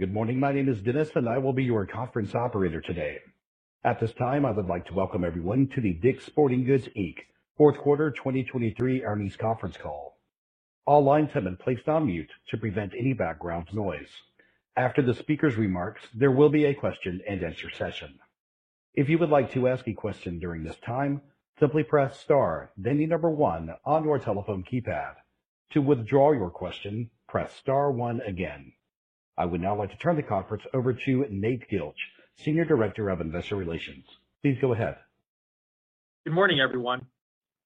Good morning. My name is Dennis, and I will be your conference operator today. At this time, I would like to welcome everyone to the DICK'S Sporting Goods, Inc., Fourth Quarter 2023 Earnings Conference Call. All lines have been placed on mute to prevent any background noise. After the speaker's remarks, there will be a question-and-answer session. If you would like to ask a question during this time, simply press star, then the number one on your telephone keypad. To withdraw your question, press star one again. I would now like to turn the conference over to Nate Gilch, Senior Director of Investor Relations. Please go ahead. Good morning, everyone,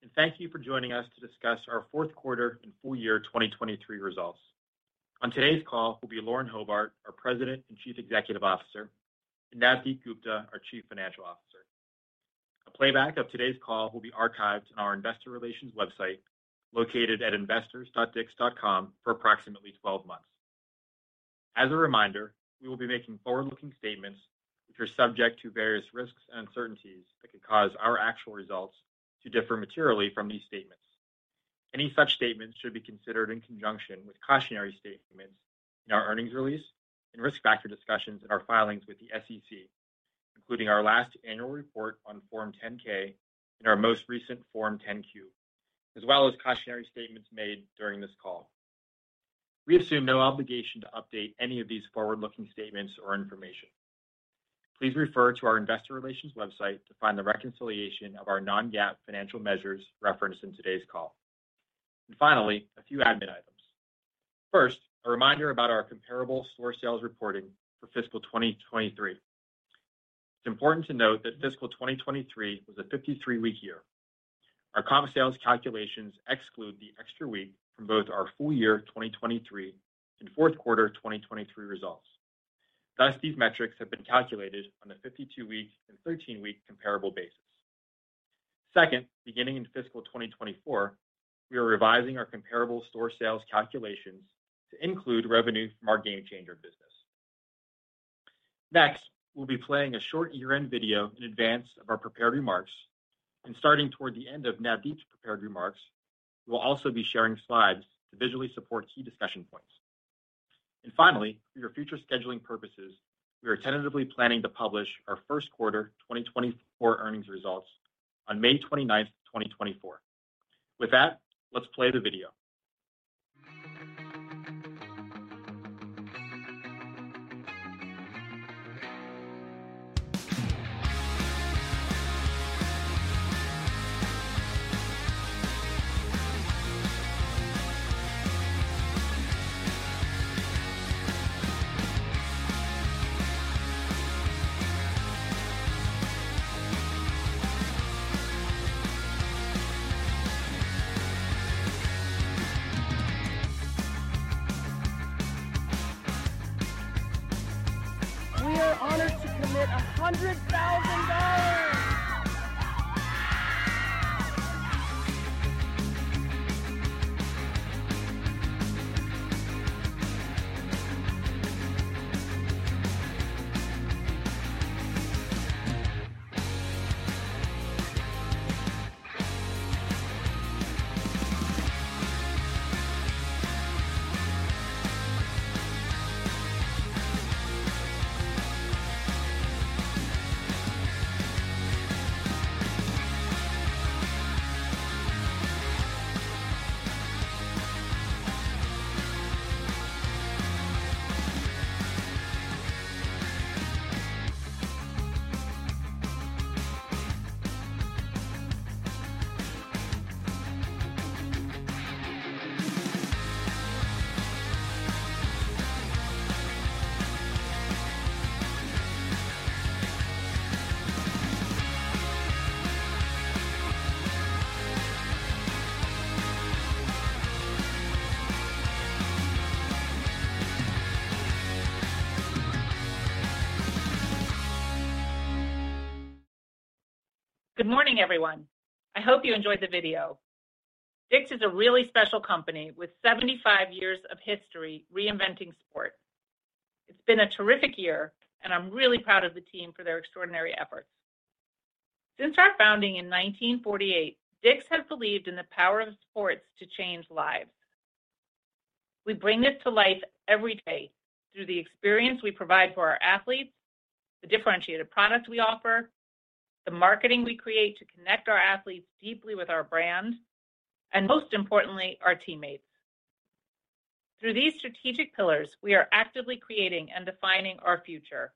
and thank you for joining us to discuss our fourth quarter and full year 2023 results. On today's call will be Lauren Hobart, our President and Chief Executive Officer, and Navdeep Gupta, our Chief Financial Officer. A playback of today's call will be archived on our investor relations website, located at investors.dicks.com, for approximately 12 months. As a reminder, we will be making forward-looking statements, which are subject to various risks and uncertainties that could cause our actual results to differ materially from these statements. Any such statements should be considered in conjunction with cautionary statements in our earnings release and risk factor discussions in our filings with the SEC, including our last annual report on Form 10-K and our most recent Form 10-Q, as well as cautionary statements made during this call. We assume no obligation to update any of these forward-looking statements or information. Please refer to our investor relations website to find the reconciliation of our non-GAAP financial measures referenced in today's call. Finally, a few admin items. First, a reminder about our comparable store sales reporting for fiscal 2023. It's important to note that fiscal 2023 was a 53-week year. Our comp sales calculations exclude the extra week from both our full year 2023 and fourth quarter 2023 results. Thus, these metrics have been calculated on a 52-week and 13-week comparable basis. Second, beginning in fiscal 2024, we are revising our comparable store sales calculations to include revenue from our GameChanger business. Next, we'll be playing a short year-end video in advance of our prepared remarks, and starting toward the end of Navdeep's prepared remarks, we'll also be sharing slides to visually support key discussion points. Finally, for your future scheduling purposes, we are tentatively planning to publish our first quarter 2024 earnings results on May 29, 2024. With that, let's play the video. We are honored to commit $100,000! Good morning, everyone. I hope you enjoyed the video. DICK'S is a really special company with 75 years of history reinventing sport. It's been a terrific year, and I'm really proud of the team for their extraordinary efforts. Since our founding in 1948, DICK'S has believed in the power of sports to change lives. We bring this to life every day through the experience we provide for our athletes, the differentiated products we offer, the marketing we create to connect our athletes deeply with our brand, and most importantly, our teammates. Through these strategic pillars, we are actively creating and defining our future,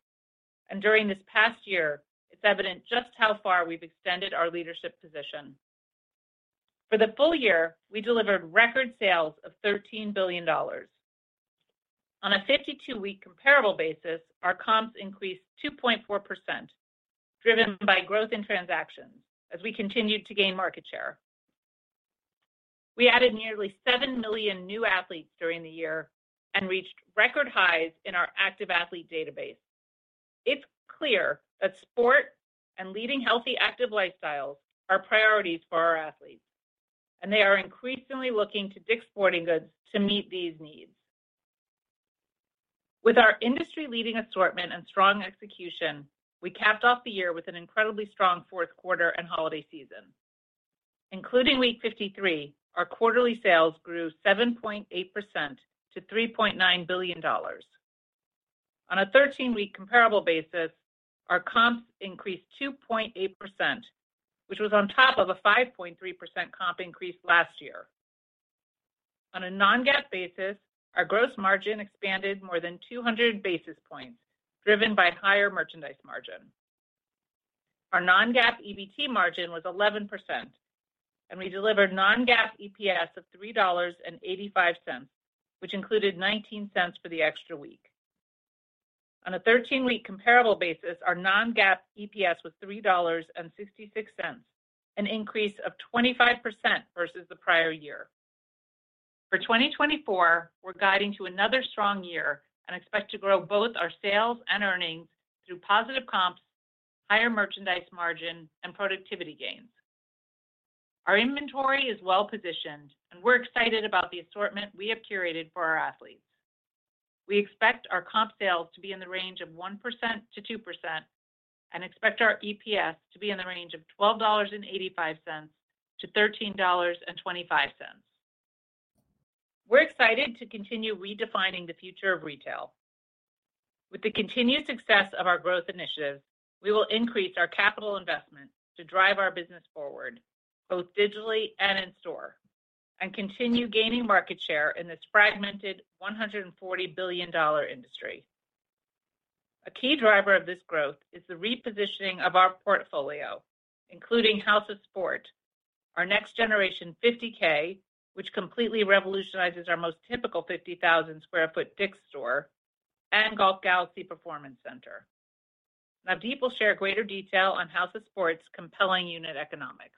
and during this past year, it's evident just how far we've extended our leadership position. For the full year, we delivered record sales of $13 billion. On a 52-week comparable basis, our comps increased 2.4%, driven by growth in transactions as we continued to gain market share. We added nearly 7 million new athletes during the year and reached record highs in our active athlete database. It's clear that sport and leading healthy, active lifestyles are priorities for our athletes, and they are increasingly looking to DICK'S Sporting Goods to meet these needs. With our industry-leading assortment and strong execution, we capped off the year with an incredibly strong fourth quarter and holiday season. including week 53, our quarterly sales grew 7.8% to $3.9 billion. On a 13-week comparable basis, our comps increased 2.8%, which was on top of a 5.3% comp increase last year. On a non-GAAP basis, our gross margin expanded more than 200 basis points, driven by higher merchandise margin. Our non-GAAP EBT margin was 11%, and we delivered non-GAAP EPS of $3.85, which included 19 cents for the extra week. On a 13-week comparable basis, our non-GAAP EPS was $3.66, an increase of 25% versus the prior year. For 2024, we're guiding to another strong year and expect to grow both our sales and earnings through positive comps, higher merchandise margin, and productivity gains. Our inventory is well-positioned, and we're excited about the assortment we have curated for our athletes. We expect our comp sales to be in the range of 1%-2% and expect our EPS to be in the range of $12.85-$13.25. We're excited to continue redefining the future of retail. With the continued success of our growth initiatives, we will increase our capital investment to drive our business forward, both digitally and in store, and continue gaining market share in this fragmented $140 billion industry. A key driver of this growth is the repositioning of our portfolio, including House of Sport, our Next Generation 50K, which completely revolutionizes our most typical 50,000 sq ft DICK'S store, and Golf Galaxy Performance Center. Now, people share greater detail on House of Sport's compelling unit economics.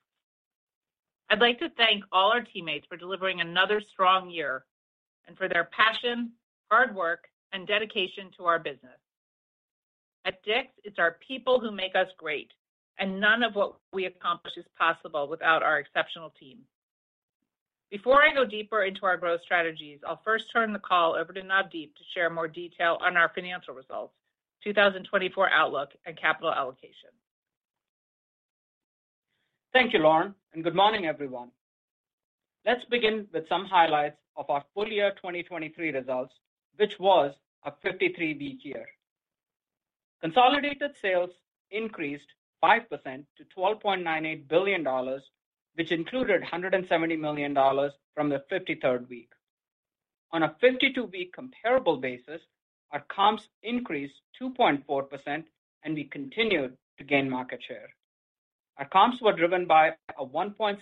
I'd like to thank all our teammates for delivering another strong year and for their passion, hard work, and dedication to our business. At DICK'S, it's our people who make us great, and none of what we accomplish is possible without our exceptional team. Before I go deeper into our growth strategies, I'll first turn the call over to Navdeep to share more detail on our financial results, 2024 outlook, and capital allocation. Thank you, Lauren, and good morning, everyone. Let's begin with some highlights of our full year 2023 results, which was a 53-week year. Consolidated sales increased 5% to $12.98 billion, which included $170 million from the 53rd week. On a 52-week comparable basis, our comps increased 2.4%, and we continued to gain market share. Our comps were driven by a 1.6%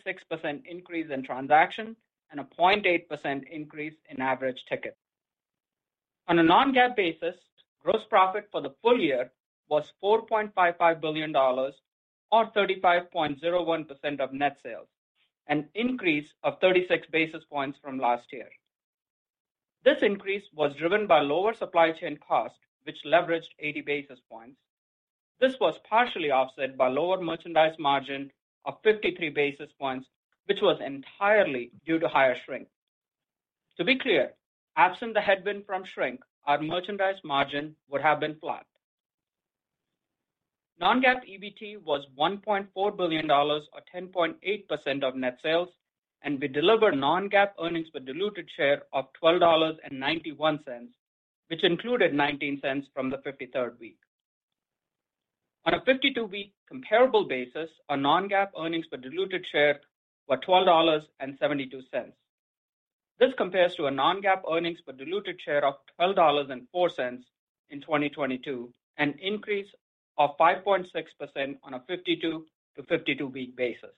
increase in transaction and a 0.8% increase in average ticket. On a Non-GAAP basis, gross profit for the full year was $4.55 billion or 35.01% of net sales, an increase of 36 basis points from last year. This increase was driven by lower supply chain costs, which leveraged 80 basis points. This was partially offset by lower merchandise margin of 53 basis points, which was entirely due to higher shrink. To be clear, absent the headwind from shrink, our merchandise margin would have been flat. Non-GAAP EBT was $1.4 billion or 10.8% of net sales, and we delivered non-GAAP earnings per diluted share of $12.91, which included $0.19 from the 53rd week. On a 52-week comparable basis, our non-GAAP earnings per diluted share were $12.72. This compares to a non-GAAP earnings per diluted share of $12.04 in 2022, an increase of 5.6% on a 52-to-52-week basis.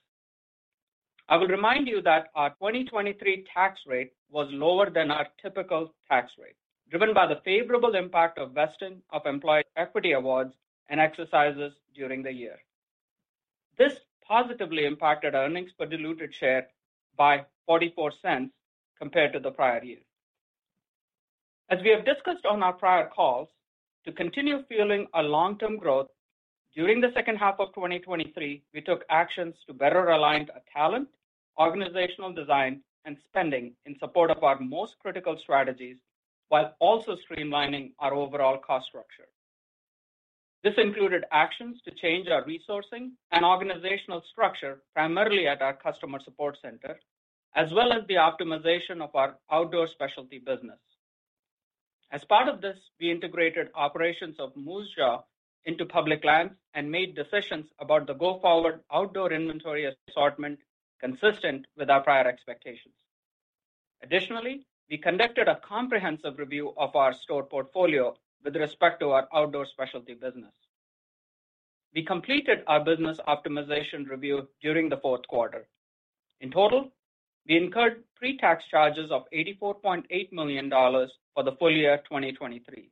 I will remind you that our 2023 tax rate was lower than our typical tax rate, driven by the favorable impact of vesting of employee equity awards and exercises during the year. This positively impacted earnings per diluted share by $0.44 compared to the prior year. As we have discussed on our prior calls, to continue fueling our long-term growth, during the second half of 2023, we took actions to better align our talent, organizational design, and spending in support of our most critical strategies, while also streamlining our overall cost structure. This included actions to change our resourcing and organizational structure, primarily at our customer support center, as well as the optimization of our outdoor specialty business. As part of this, we integrated operations of Moosejaw into Public Lands and made decisions about the go-forward outdoor inventory assortment consistent with our prior expectations. Additionally, we conducted a comprehensive review of our store portfolio with respect to our outdoor specialty business. We completed our business optimization review during the fourth quarter. In total, we incurred pre-tax charges of $84.8 million for the full year, 2023.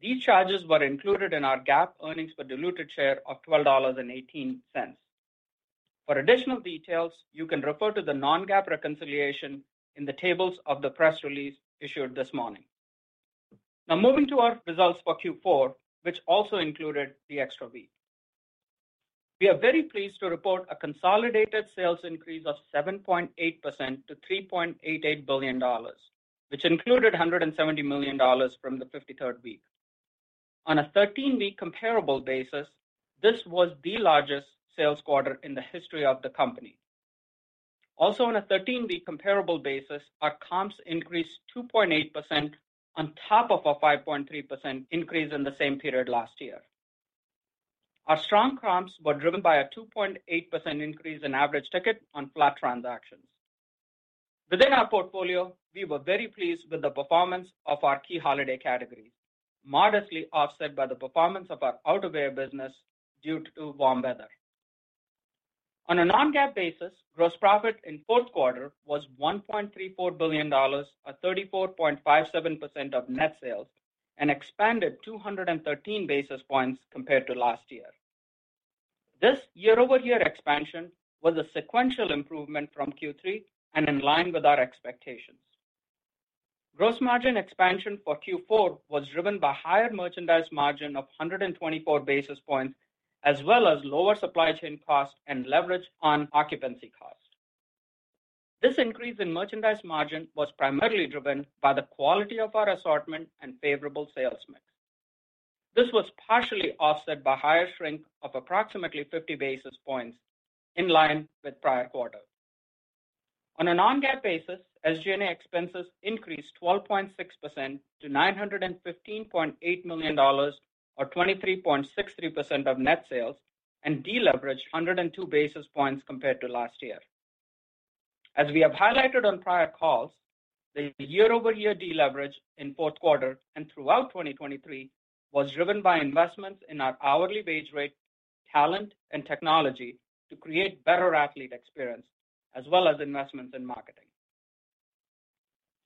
These charges were included in our GAAP earnings per diluted share of $12.18. For additional details, you can refer to the non-GAAP reconciliation in the tables of the press release issued this morning. Now, moving to our results for Q4, which also included the extra week. We are very pleased to report a consolidated sales increase of 7.8% to $3.88 billion, which included $170 million from the 53rd week. On a 13-week comparable basis, this was the largest sales quarter in the history of the company. Also, on a 13-week comparable basis, our comps increased 2.8% on top of a 5.3% increase in the same period last year. Our strong comps were driven by a 2.8% increase in average ticket on flat transactions. Within our portfolio, we were very pleased with the performance of our key holiday categories, modestly offset by the performance of our outerwear business due to warm weather. On a non-GAAP basis, gross profit in fourth quarter was $1.34 billion, or 34.57% of net sales, and expanded 213 basis points compared to last year. This year-over-year expansion was a sequential improvement from Q3 and in line with our expectations. Gross margin expansion for Q4 was driven by higher merchandise margin of 124 basis points, as well as lower supply chain costs and leverage on occupancy costs. This increase in merchandise margin was primarily driven by the quality of our assortment and favorable sales mix. This was partially offset by higher shrink of approximately 50 basis points, in line with prior quarter. On a non-GAAP basis, SG&A expenses increased 12.6% to $915.8 million, or 23.63% of net sales, and deleveraged 102 basis points compared to last year. As we have highlighted on prior calls, the year-over-year deleverage in fourth quarter and throughout 2023 was driven by investments in our hourly wage rate, talent, and technology to create better athlete experience, as well as investments in marketing.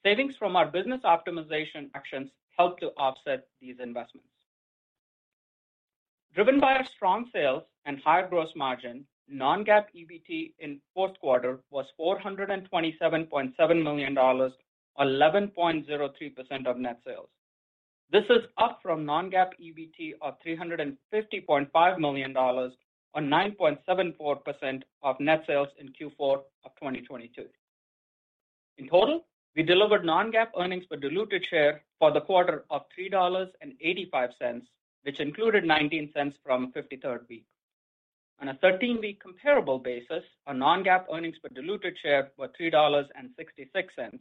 Savings from our business optimization actions helped to offset these investments. Driven by our strong sales and higher gross margin, non-GAAP EBT in fourth quarter was $427.7 million, or 11.03% of net sales. This is up from non-GAAP EBT of $350.5 million, or 9.74% of net sales in Q4 of 2022. In total, we delivered non-GAAP earnings per diluted share for the quarter of $3.85, which included $0.19 from 53rd week. On a 13-week comparable basis, our non-GAAP earnings per diluted share were $3.66.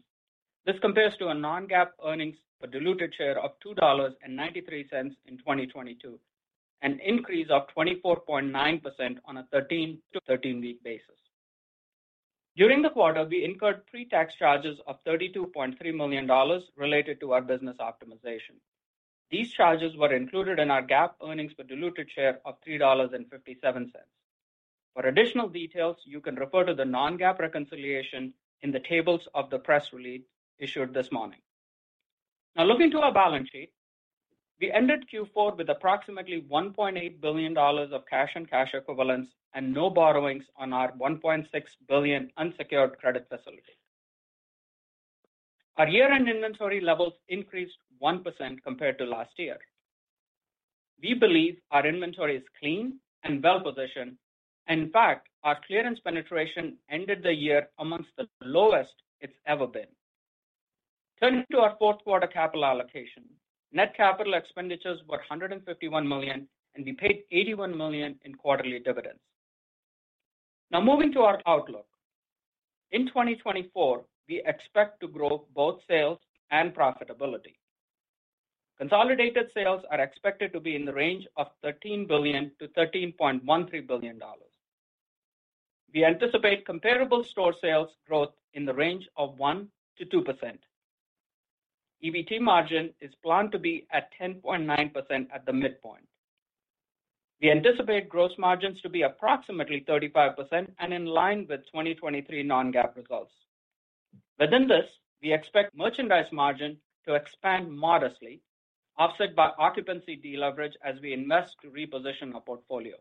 This compares to a non-GAAP earnings per diluted share of $2.93 in 2022, an increase of 24.9% on a 13-to-13-week basis. During the quarter, we incurred pre-tax charges of $32.3 million related to our business optimization. These charges were included in our GAAP earnings per diluted share of $3.57. For additional details, you can refer to the non-GAAP reconciliation in the tables of the press release issued this morning. Now, looking to our balance sheet, we ended Q4 with approximately $1.8 billion of cash and cash equivalents, and no borrowings on our $1.6 billion unsecured credit facility. Our year-end inventory levels increased 1% compared to last year. We believe our inventory is clean and well-positioned. In fact, our clearance penetration ended the year amongst the lowest it's ever been. Turning to our fourth quarter capital allocation. Net capital expenditures were $151 million, and we paid $81 million in quarterly dividends. Now, moving to our outlook. In 2024, we expect to grow both sales and profitability. Consolidated sales are expected to be in the range of $13 billion-$13.13 billion. We anticipate comparable store sales growth in the range of 1%-2%. EBT margin is planned to be at 10.9% at the midpoint. We anticipate gross margins to be approximately 35% and in line with 2023 non-GAAP results. Within this, we expect merchandise margin to expand modestly, offset by occupancy deleverage as we invest to reposition our portfolio.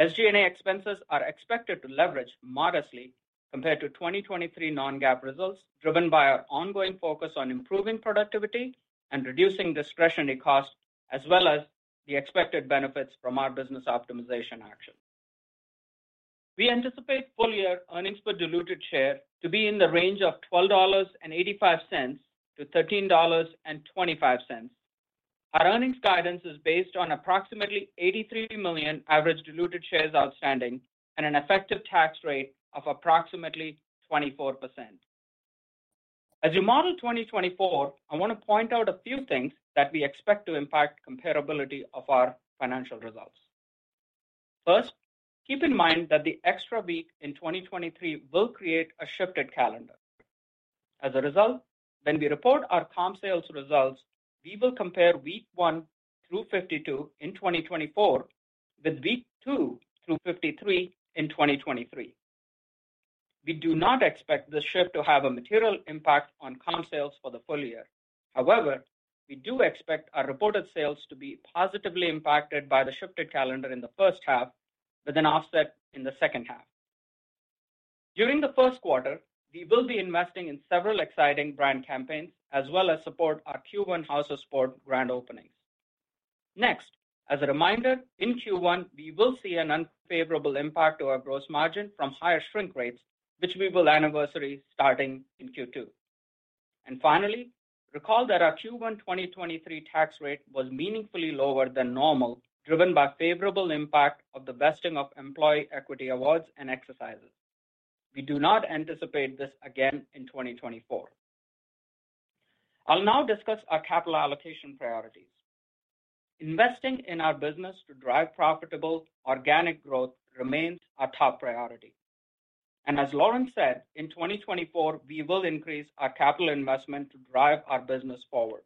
SG&A expenses are expected to leverage modestly compared to 2023 non-GAAP results, driven by our ongoing focus on improving productivity and reducing discretionary costs, as well as the expected benefits from our business optimization action. We anticipate full-year earnings per diluted share to be in the range of $12.85-$13.25. Our earnings guidance is based on approximately 83 million average diluted shares outstanding and an effective tax rate of approximately 24%. As you model 2024, I want to point out a few things that we expect to impact comparability of our financial results. First, keep in mind that the extra week in 2023 will create a shifted calendar. As a result, when we report our comp sales results, we will compare week 1 through 52 in 2024 with week 2 through 53 in 2023. We do not expect this shift to have a material impact on comp sales for the full year. However, we do expect our reported sales to be positively impacted by the shifted calendar in the first half, with an offset in the second half. During the first quarter, we will be investing in several exciting brand campaigns, as well as support our Q1 House of Sport grand openings. Next, as a reminder, in Q1, we will see an unfavorable impact to our gross margin from higher shrink rates, which we will anniversary starting in Q2. And finally, recall that our Q1 2023 tax rate was meaningfully lower than normal, driven by favorable impact of the vesting of employee equity awards and exercises. We do not anticipate this again in 2024. I'll now discuss our capital allocation priorities. Investing in our business to drive profitable organic growth remains our top priority. As Lauren said, in 2024, we will increase our capital investment to drive our business forward.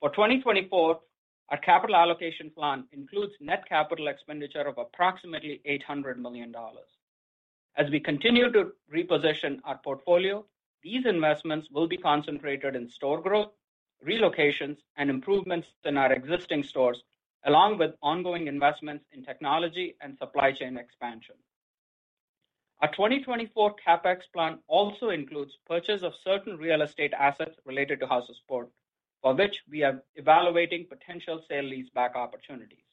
For 2024, our capital allocation plan includes net capital expenditure of approximately $800 million. As we continue to reposition our portfolio, these investments will be concentrated in store growth, relocations, and improvements in our existing stores, along with ongoing investments in technology and supply chain expansion. Our 2024 CapEx plan also includes purchase of certain real estate assets related to House of Sport, for which we are evaluating potential sale leaseback opportunities.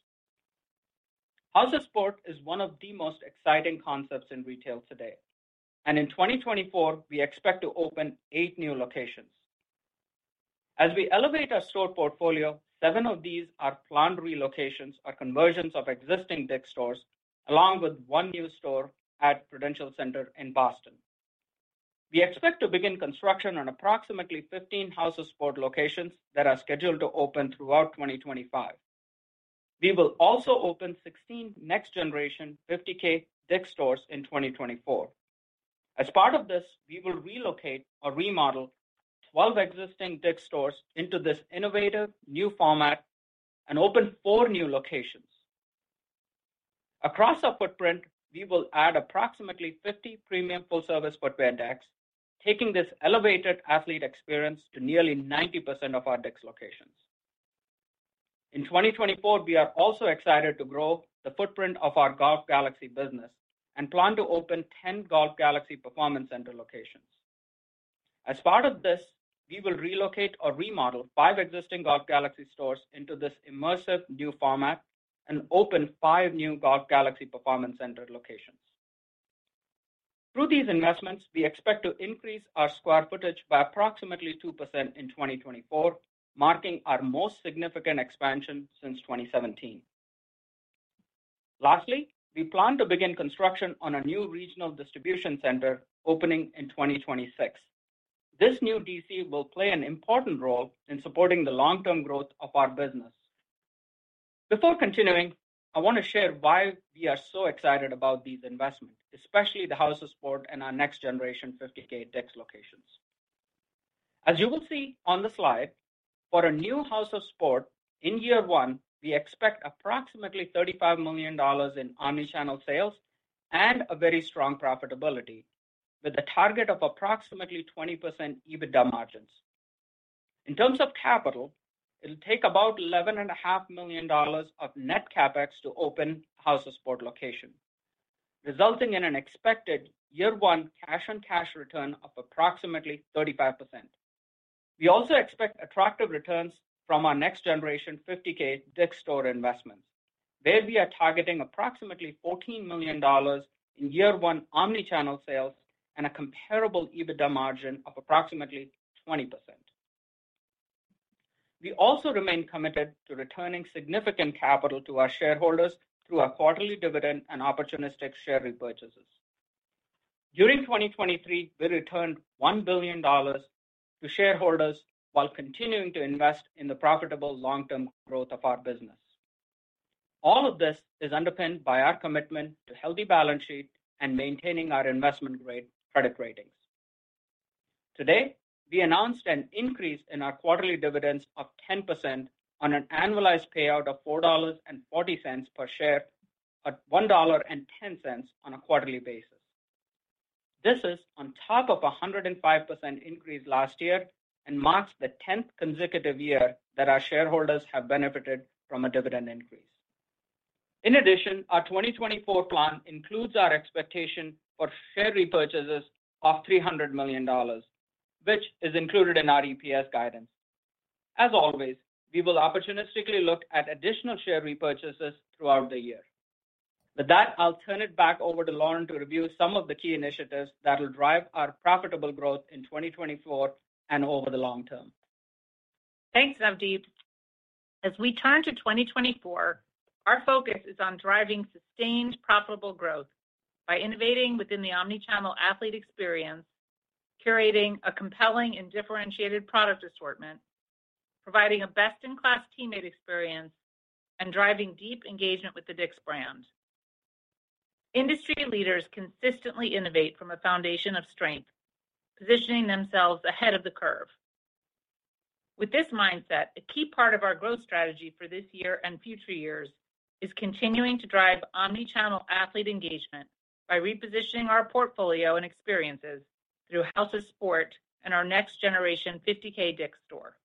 House of Sport is one of the most exciting concepts in retail today, and in 2024, we expect to open 8 new locations. As we elevate our store portfolio, 7 of these are planned relocations or conversions of existing DICK'S stores, along with 1 new store at Prudential Center in Boston. We expect to begin construction on approximately 15 House of Sport locations that are scheduled to open throughout 2025. We will also open 16 Next Generation 50K DICK'S stores in 2024. As part of this, we will relocate or remodel 12 existing DICK'S stores into this innovative new format and open 4 new locations. Across our footprint, we will add approximately 50 premium full-service footwear decks, taking this elevated athlete experience to nearly 90% of our DICK'S locations. In 2024, we are also excited to grow the footprint of our Golf Galaxy business and plan to open 10 Golf Galaxy Performance Center locations. As part of this, we will relocate or remodel 5 existing Golf Galaxy stores into this immersive new format and open 5 new Golf Galaxy Performance Center locations. Through these investments, we expect to increase our square footage by approximately 2% in 2024, marking our most significant expansion since 2017. Lastly, we plan to begin construction on a new regional distribution center opening in 2026. This new DC will play an important role in supporting the long-term growth of our business. Before continuing, I want to share why we are so excited about these investments, especially the House of Sport and our next generation 50K DICK'S locations. As you will see on the slide, for a new House of Sport, in year one, we expect approximately $35 million in omnichannel sales and a very strong profitability, with a target of approximately 20% EBITDA margins. In terms of capital, it'll take about $11.5 million of net CapEx to open House of Sport location, resulting in an expected year one cash-on-cash return of approximately 35%. We also expect attractive returns from our next generation, 50K DICK'S store investments, where we are targeting approximately $14 million in year one omnichannel sales and a comparable EBITDA margin of approximately 20%. We also remain committed to returning significant capital to our shareholders through our quarterly dividend and opportunistic share repurchases. During 2023, we returned $1 billion to shareholders while continuing to invest in the profitable long-term growth of our business. All of this is underpinned by our commitment to healthy balance sheet and maintaining our investment grade credit ratings. Today, we announced an increase in our quarterly dividends of 10% on an annualized payout of $4.40 per share at $1.10 on a quarterly basis. This is on top of a 105% increase last year and marks the 10th consecutive year that our shareholders have benefited from a dividend increase. In addition, our 2024 plan includes our expectation for share repurchases of $300 million, which is included in our EPS guidance. As always, we will opportunistically look at additional share repurchases throughout the year. With that, I'll turn it back over to Lauren to review some of the key initiatives that will drive our profitable growth in 2024 and over the long term. Thanks, Navdeep. As we turn to 2024, our focus is on driving sustained, profitable growth by innovating within the omnichannel athlete experience, curating a compelling and differentiated product assortment, providing a best-in-class teammate experience, and driving deep engagement with the DICK'S brand. Industry leaders consistently innovate from a foundation of strength, positioning themselves ahead of the curve. With this mindset, a key part of our growth strategy for this year and future years is continuing to drive omnichannel athlete engagement by repositioning our portfolio and experiences through House of Sport and our next generation 50K DICK'S store.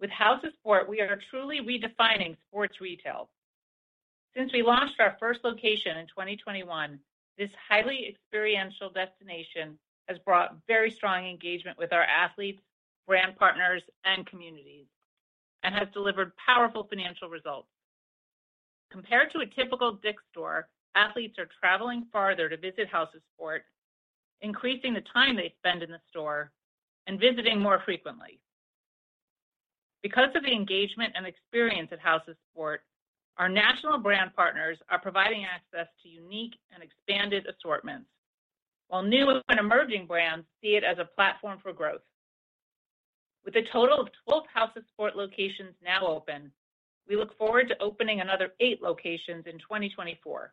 With House of Sport, we are truly redefining sports retail. Since we launched our first location in 2021, this highly experiential destination has brought very strong engagement with our athletes, brand partners, and communities, and has delivered powerful financial results. Compared to a typical DICK'S store, athletes are traveling farther to visit House of Sport, increasing the time they spend in the store, and visiting more frequently. Because of the engagement and experience at House of Sport, our national brand partners are providing access to unique and expanded assortments, while new and emerging brands see it as a platform for growth. With a total of 12 House of Sport locations now open, we look forward to opening another 8 locations in 2024.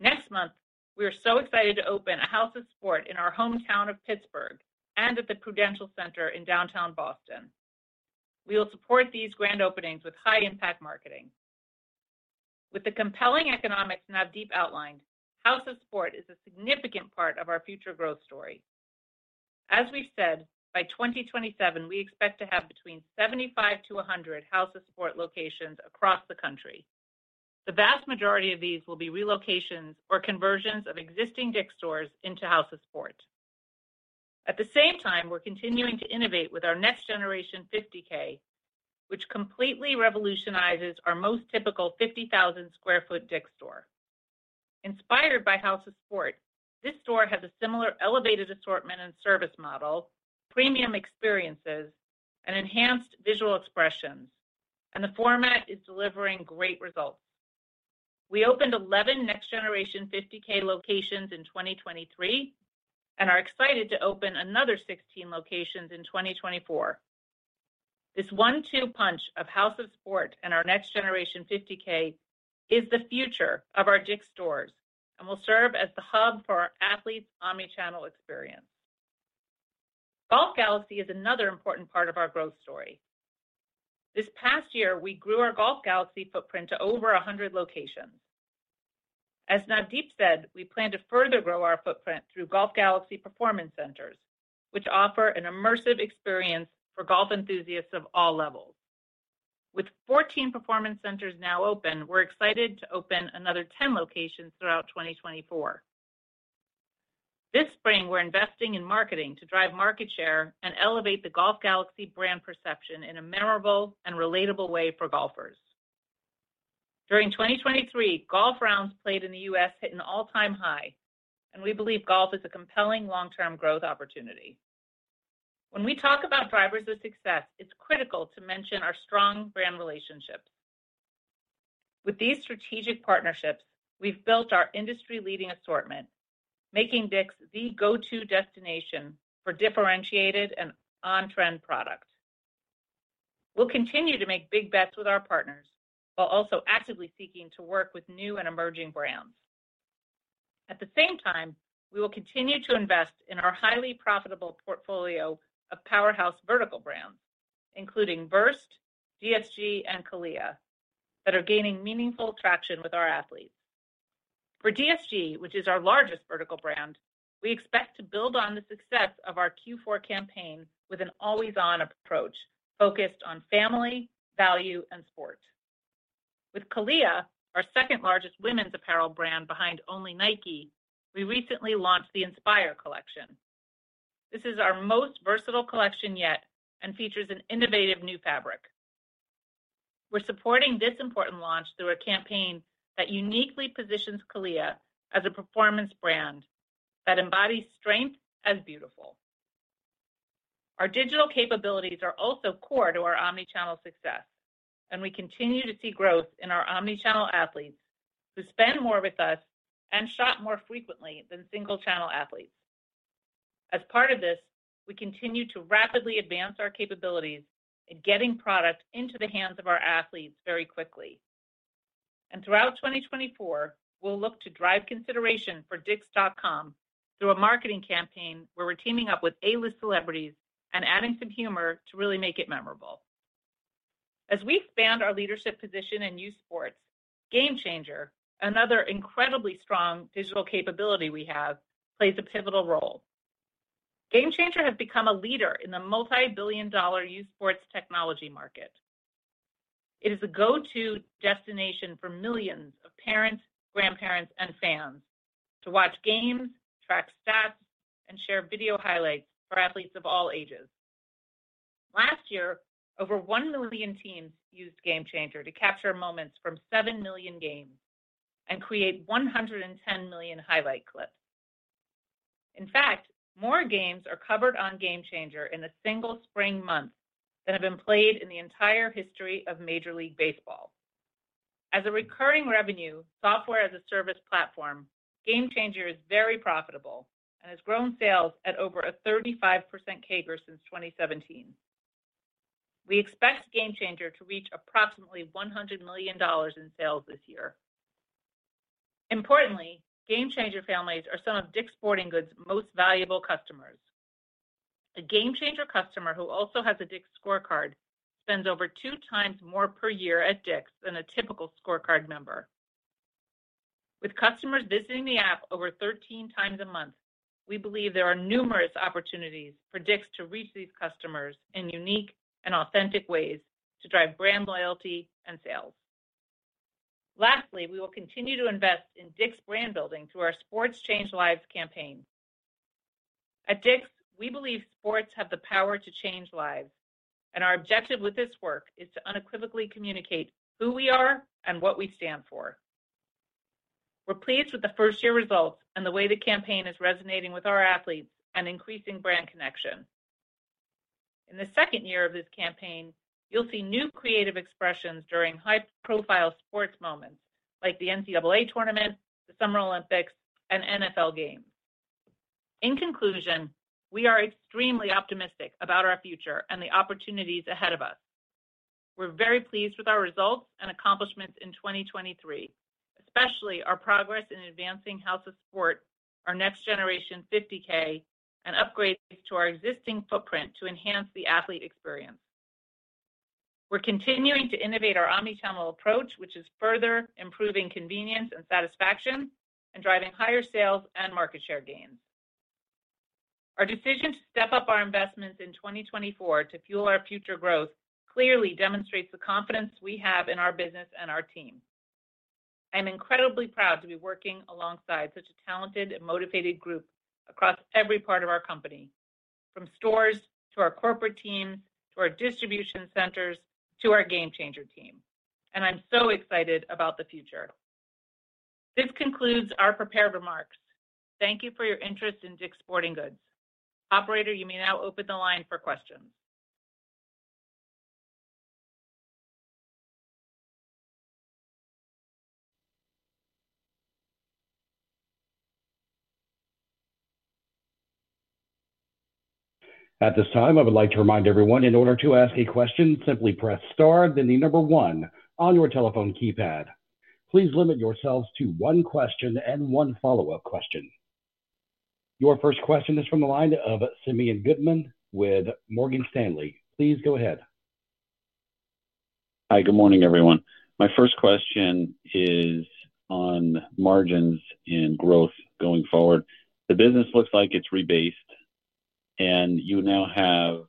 Next month, we are so excited to open a House of Sport in our hometown of Pittsburgh and at the Prudential Center in downtown Boston. We will support these grand openings with high-impact marketing. With the compelling economics Navdeep outlined, House of Sport is a significant part of our future growth story. As we've said, by 2027, we expect to have between 75-100 House of Sport locations across the country. The vast majority of these will be relocations or conversions of existing DICK'S stores into House of Sport. At the same time, we're continuing to innovate with our Next Generation 50K, which completely revolutionizes our most typical 50,000 sq ft DICK'S store. Inspired by House of Sport, this store has a similar elevated assortment and service model, premium experiences, and enhanced visual expressions, and the format is delivering great results. We opened 11 Next Generation 50K locations in 2023 and are excited to open another 16 locations in 2024. This one-two punch of House of Sport and our Next Generation 50K is the future of our DICK'S stores and will serve as the hub for our athletes' omnichannel experience. Golf Galaxy is another important part of our growth story. This past year, we grew our Golf Galaxy footprint to over 100 locations. As Navdeep said, we plan to further grow our footprint through Golf Galaxy Performance Centers, which offer an immersive experience for golf enthusiasts of all levels. With 14 Performance Centers now open, we're excited to open another 10 locations throughout 2024. This spring, we're investing in marketing to drive market share and elevate the Golf Galaxy brand perception in a memorable and relatable way for golfers. During 2023, golf rounds played in the U.S. hit an all-time high, and we believe golf is a compelling long-term growth opportunity. When we talk about drivers of success, it's critical to mention our strong brand relationships. With these strategic partnerships, we've built our industry-leading assortment, making DICK'S the go-to destination for differentiated and on-trend product. We'll continue to make big bets with our partners, while also actively seeking to work with new and emerging brands. At the same time, we will continue to invest in our highly profitable portfolio of powerhouse vertical brands, including VRST, DSG, and CALIA, that are gaining meaningful traction with our athletes. For DSG, which is our largest vertical brand, we expect to build on the success of our Q4 campaign with an always-on approach focused on family, value, and sport. With CALIA, our second-largest women's apparel brand behind only Nike, we recently launched the Inspire collection. This is our most versatile collection yet and features an innovative new fabric. We're supporting this important launch through a campaign that uniquely positions CALIA as a performance brand that embodies strength as beautiful. Our digital capabilities are also core to our omnichannel success, and we continue to see growth in our omnichannel athletes, who spend more with us and shop more frequently than single-channel athletes. As part of this, we continue to rapidly advance our capabilities in getting product into the hands of our athletes very quickly. Throughout 2024, we'll look to drive consideration for DICK'S.com through a marketing campaign where we're teaming up with A-list celebrities and adding some humor to really make it memorable. As we expand our leadership position in youth sports, GameChanger, another incredibly strong digital capability we have, plays a pivotal role. GameChanger has become a leader in the multi-billion dollar youth sports technology market. It is a go-to destination for millions of parents, grandparents, and fans to watch games, track stats, and share video highlights for athletes of all ages. Last year, over 1 million teams used GameChanger to capture moments from 7 million games and create 110 million highlight clips. In fact, more games are covered on GameChanger in a single spring month than have been played in the entire history of Major League Baseball. As a recurring revenue, software-as-a-service platform, GameChanger is very profitable and has grown sales at over 35% CAGR since 2017. We expect GameChanger to reach approximately $100 million in sales this year. Importantly, GameChanger families are some of DICK'S Sporting Goods' most valuable customers. A GameChanger customer who also has a DICK'S ScoreCard spends over 2 times more per year at DICK'S than a typical ScoreCard member. with customers visiting the app over 13 times a month, we believe there are numerous opportunities for DICK'S to reach these customers in unique and authentic ways to drive brand loyalty and sales. Lastly, we will continue to invest in DICK'S brand building through our Sports Change Lives campaign. At DICK'S, we believe sports have the power to change lives, and our objective with this work is to unequivocally communicate who we are and what we stand for. We're pleased with the first year results and the way the campaign is resonating with our athletes and increasing brand connection. In the second year of this campaign, you'll see new creative expressions during high-profile sports moments like the NCAA Tournament, the Summer Olympics, and NFL games. In conclusion, we are extremely optimistic about our future and the opportunities ahead of us. We're very pleased with our results and accomplishments in 2023, especially our progress in advancing House of Sport, our Next Generation 50K, and upgrades to our existing footprint to enhance the athlete experience. We're continuing to innovate our omnichannel approach, which is further improving convenience and satisfaction and driving higher sales and market share gains. Our decision to step up our investments in 2024 to fuel our future growth clearly demonstrates the confidence we have in our business and our team. I'm incredibly proud to be working alongside such a talented and motivated group across every part of our company, from stores to our corporate teams, to our distribution centers, to our GameChanger team, and I'm so excited about the future. This concludes our prepared remarks. Thank you for your interest in DICK'S Sporting Goods. Operator, you may now open the line for questions. At this time, I would like to remind everyone, in order to ask a question, simply press Star, then the number one on your telephone keypad. Please limit yourselves to one question and one follow-up question. Your first question is from the line of Simeon Gutman with Morgan Stanley. Please go ahead. Hi. Good morning, everyone. My first question is on margins and growth going forward. The business looks like it's rebased, and you now have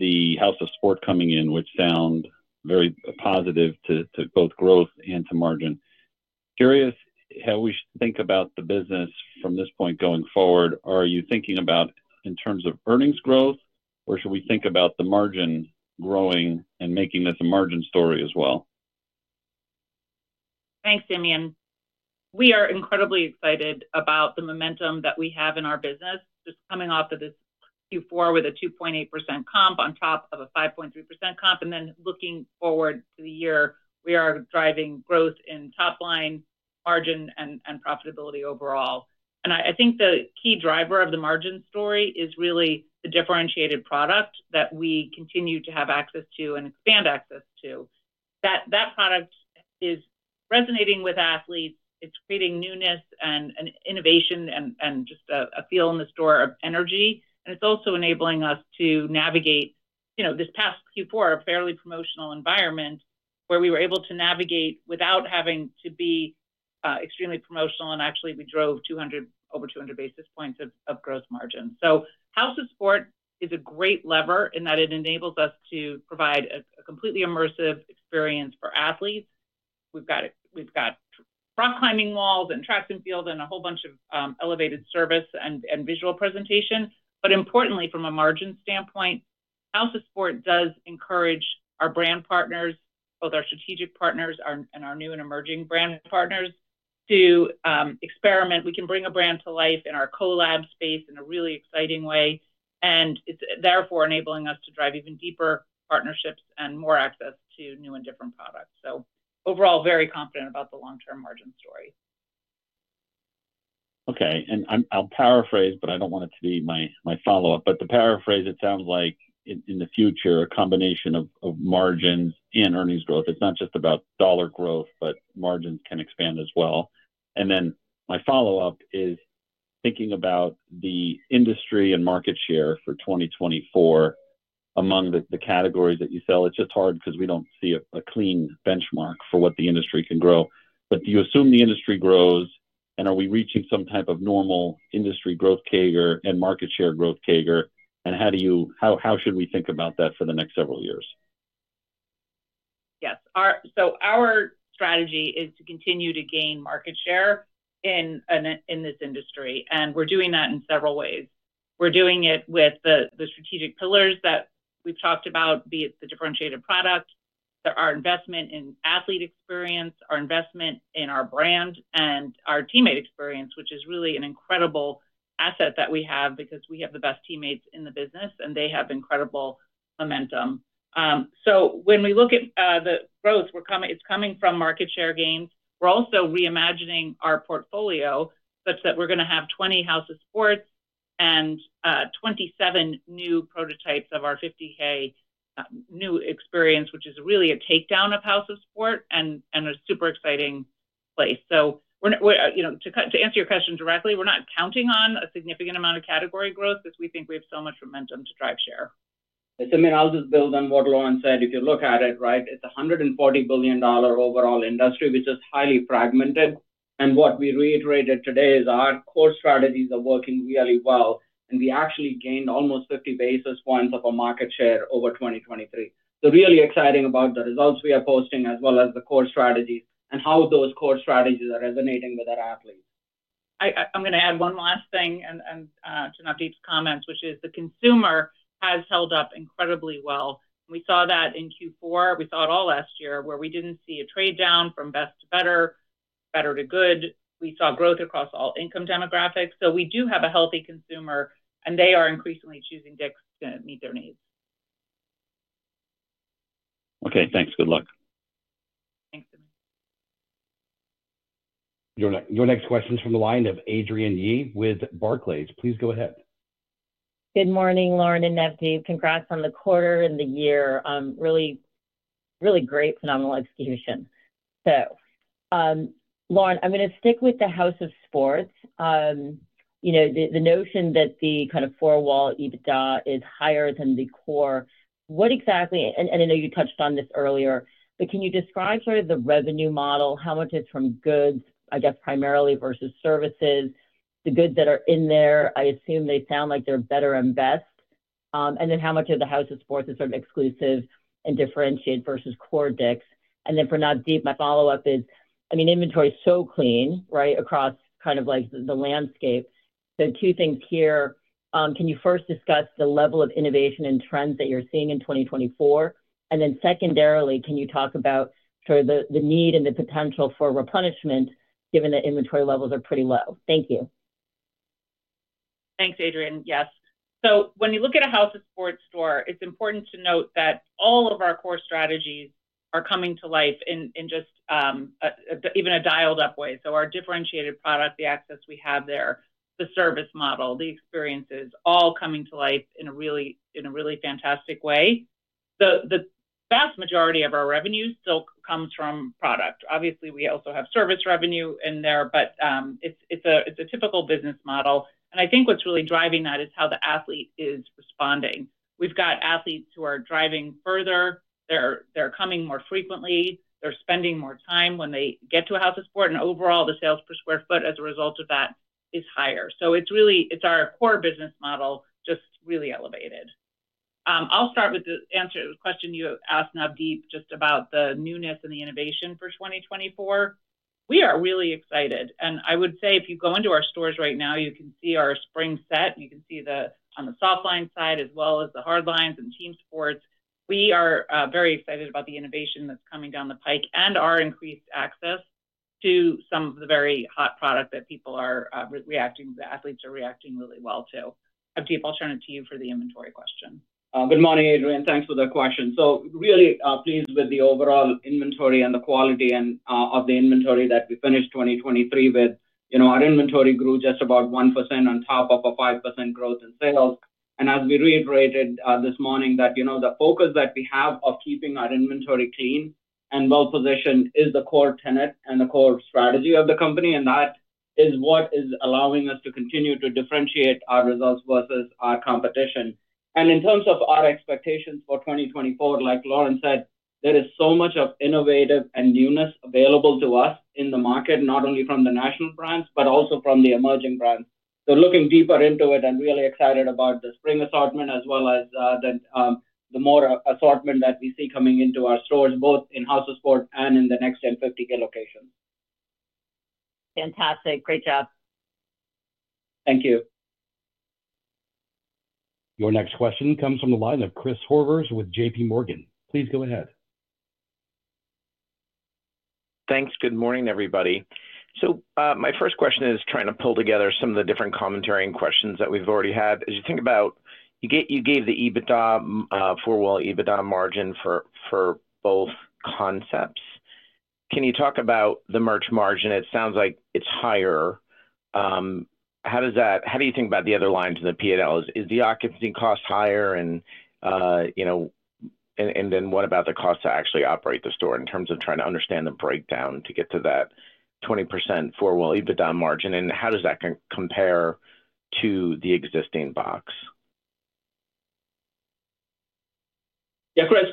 the House of Sport coming in, which sound very positive to both growth and to margin. Curious how we should think about the business from this point going forward. Are you thinking about in terms of earnings growth, or should we think about the margin growing and making this a margin story as well? Thanks, Simeon. We are incredibly excited about the momentum that we have in our business. Just coming off of this Q4 with a 2.8 comp on top of a 5.3 comp, and then looking forward to the year, we are driving growth in top line, margin, and profitability overall. And I think the key driver of the margin story is really the differentiated product that we continue to have access to and expand access to. That product is resonating with athletes. It's creating newness and innovation and just a feel in the store of energy. And it's also enabling us to navigate, you know, this past Q4, a fairly promotional environment where we were able to navigate without having to be extremely promotional. And actually, we drove over 200 basis points of gross margin. House of Sport is a great lever in that it enables us to provide a completely immersive experience for athletes. We've got rock climbing walls and tracks and field, and a whole bunch of elevated service and visual presentation. But importantly, from a margin standpoint, House of Sport does encourage our brand partners, both our strategic partners and our new and emerging brand partners, to experiment. We can bring a brand to life in our collab space in a really exciting way, and it's therefore enabling us to drive even deeper partnerships and more access to new and different products. Overall, very confident about the long-term margin story. Okay, and I'm--I'll paraphrase, but I don't want it to be my, my follow-up. But to paraphrase, it sounds like in, in the future, a combination of, of margins and earnings growth. It's not just about dollar growth, but margins can expand as well. And then my follow-up is thinking about the industry and market share for 2024. Among the, the categories that you sell, it's just hard because we don't see a, a clean benchmark for what the industry can grow. But do you assume the industry grows, and are we reaching some type of normal industry growth CAGR and market share growth CAGR? And how do you--how, how should we think about that for the next several years? Yes. Our strategy is to continue to gain market share in this industry, and we're doing that in several ways. We're doing it with the strategic pillars that we've talked about, be it the differentiated product, or our investment in athlete experience, our investment in our brand and our teammate experience, which is really an incredible asset that we have because we have the best teammates in the business, and they have incredible momentum. So when we look at the growth, it's coming from market share gains. We're also reimagining our portfolio such that we're going to have 20 House of Sport and 27 new prototypes of our 50K new experience, which is really a takedown of House of Sport and a super exciting place. So we're not, you know, to answer your question directly, we're not counting on a significant amount of category growth as we think we have so much momentum to drive share. I mean, I'll just build on what Lauren said. If you look at it, right, it's a $140 billion overall industry, which is highly fragmented. What we reiterated today is our core strategies are working really well, and we actually gained almost 50 basis points of our market share over 2023. Really exciting about the results we are posting, as well as the core strategies and how those core strategies are resonating with our athletes. I'm gonna add one last thing to Navdeep's comments, which is the consumer has held up incredibly well. We saw that in Q4. We saw it all last year, where we didn't see a trade-down from best to better, better to good. We saw growth across all income demographics. So we do have a healthy consumer, and they are increasingly choosing DICK'S to meet their needs. Okay, thanks. Good luck. Thanks. Your next question's from the line of Adrienne Yih with Barclays. Please go ahead. Good morning, Lauren and Navdeep. Congrats on the quarter and the year. Really, really great, phenomenal execution. So, Lauren, I'm gonna stick with the House of Sport. You know, the notion that the kind of four-wall EBITDA is higher than the core, what exactly... And I know you touched on this earlier, but can you describe sort of the revenue model, how much is from goods, I guess, primarily versus services? The goods that are in there, I assume they sound like they're better and best. And then how much of the House of Sport is sort of exclusive and differentiated versus core DICK'S? And then for Navdeep, my follow-up is, I mean, inventory is so clean, right, across kind of like the landscape. So two things here. Can you first discuss the level of innovation and trends that you're seeing in 2024? And then secondarily, can you talk about sort of the need and the potential for replenishment, given that inventory levels are pretty low? Thank you. Thanks, Adrienne. Yes. So when you look at a House of Sport store, it's important to note that all of our core strategies are coming to life in just even a dialed-up way. So our differentiated product, the access we have there, the service model, the experiences, all coming to life in a really fantastic way. The vast majority of our revenue still comes from product. Obviously, we also have service revenue in there, but it's a typical business model, and I think what's really driving that is how the athlete is responding. We've got athletes who are driving further. They're coming more frequently. They're spending more time when they get to a House of Sport, and overall, the sales per square foot as a result of that is higher. It's really—it's our core business model, just really elevated. I'll start with the answer to the question you asked, Navdeep, just about the newness and the innovation for 2024. We are really excited, and I would say if you go into our stores right now, you can see our spring set, and you can see the... on the soft line side, as well as the hard lines and team sports. We are very excited about the innovation that's coming down the pike and our increased access to some of the very hot product that people are reacting—the athletes are reacting really well to. Navdeep, I'll turn it to you for the inventory question. Good morning, Adrienne. Thanks for the question. So really, pleased with the overall inventory and the quality and of the inventory that we finished 2023 with. You know, our inventory grew just about 1% on top of a 5% growth in sales. And as we reiterated, this morning, that, you know, the focus that we have of keeping our inventory clean and well-positioned is the core tenet and the core strategy of the company, and that is what is allowing us to continue to differentiate our results versus our competition. And in terms of our expectations for 2024, like Lauren said, there is so much of innovative and newness available to us in the market, not only from the national brands, but also from the emerging brands. So looking deeper into it and really excited about the spring assortment, as well as the more assortment that we see coming into our stores, both in House of Sport and in the Next Gen 50K locations. Fantastic. Great job. Thank you. Your next question comes from the line of Chris Horvers with J.P. Morgan. Please go ahead. Thanks. Good morning, everybody. So, my first question is trying to pull together some of the different commentary and questions that we've already had. As you think about... You gave, you gave the EBITDA, four-wall EBITDA margin for, for both concepts. Can you talk about the merch margin? It sounds like it's higher. How does that - how do you think about the other lines in the P&L? Is the occupancy cost higher? And, you know, then what about the cost to actually operate the store in terms of trying to understand the breakdown to get to that 20% four-wall EBITDA margin, and how does that compare to the existing box? Yeah, Chris,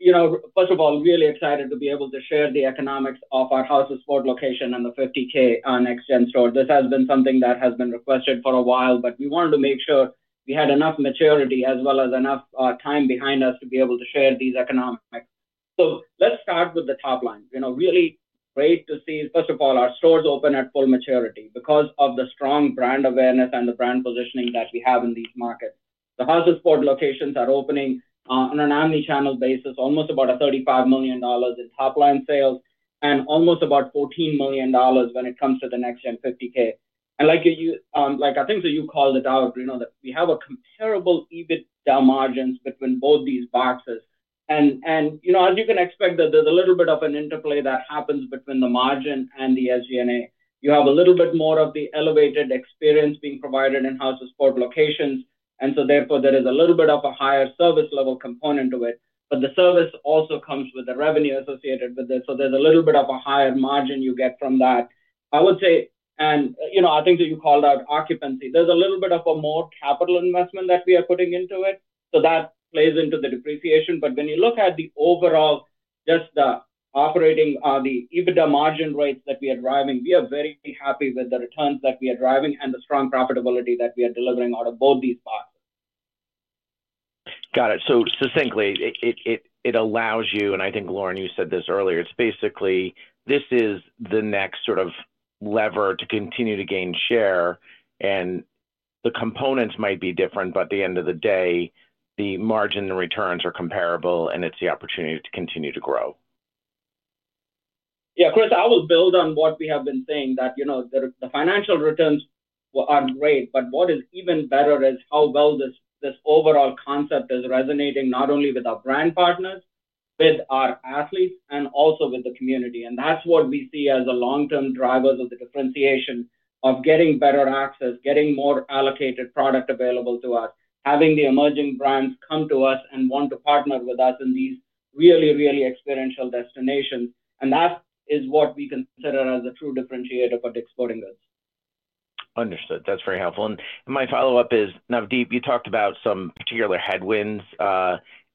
you know, first of all, really excited to be able to share the economics of our House of Sport location and the 50K Next Gen store. This has been something that has been requested for a while, but we wanted to make sure we had enough maturity as well as enough time behind us to be able to share these economics. So let's start with the top line. You know, really great to see, first of all, our stores open at full maturity because of the strong brand awareness and the brand positioning that we have in these markets. The House of Sport locations are opening on an omnichannel basis, almost about $35 million in top-line sales and almost about $14 million when it comes to the Next Gen 50K. Like you, I think that you called it out, you know, that we have comparable EBITDA margins between both these boxes. And you know, as you can expect, that there's a little bit of an interplay that happens between the margin and the SG&A. You have a little bit more of the elevated experience being provided in House of Sport locations, and so therefore, there is a little bit of a higher service level component to it. But the service also comes with the revenue associated with it, so there's a little bit of a higher margin you get from that... I would say, and you know, I think that you called out occupancy. There's a little bit more capital investment that we are putting into it, so that plays into the depreciation. But when you look at the overall, just the operating, the EBITDA margin rates that we are driving, we are very happy with the returns that we are driving and the strong profitability that we are delivering out of both these boxes. Got it. So succinctly, it allows you, and I think, Lauren, you said this earlier. It's basically this is the next sort of lever to continue to gain share, and the components might be different, but at the end of the day, the margin and returns are comparable, and it's the opportunity to continue to grow. Yeah, Chris, I will build on what we have been saying, that, you know, the financial returns are great, but what is even better is how well this overall concept is resonating, not only with our brand partners, with our athletes, and also with the community. And that's what we see as the long-term drivers of the differentiation of getting better access, getting more allocated product available to us, having the emerging brands come to us and want to partner with us in these really, really experiential destinations. And that is what we consider as a true differentiator for DICK'S Sporting Goods. Understood. That's very helpful. And my follow-up is, Navdeep, you talked about some particular headwinds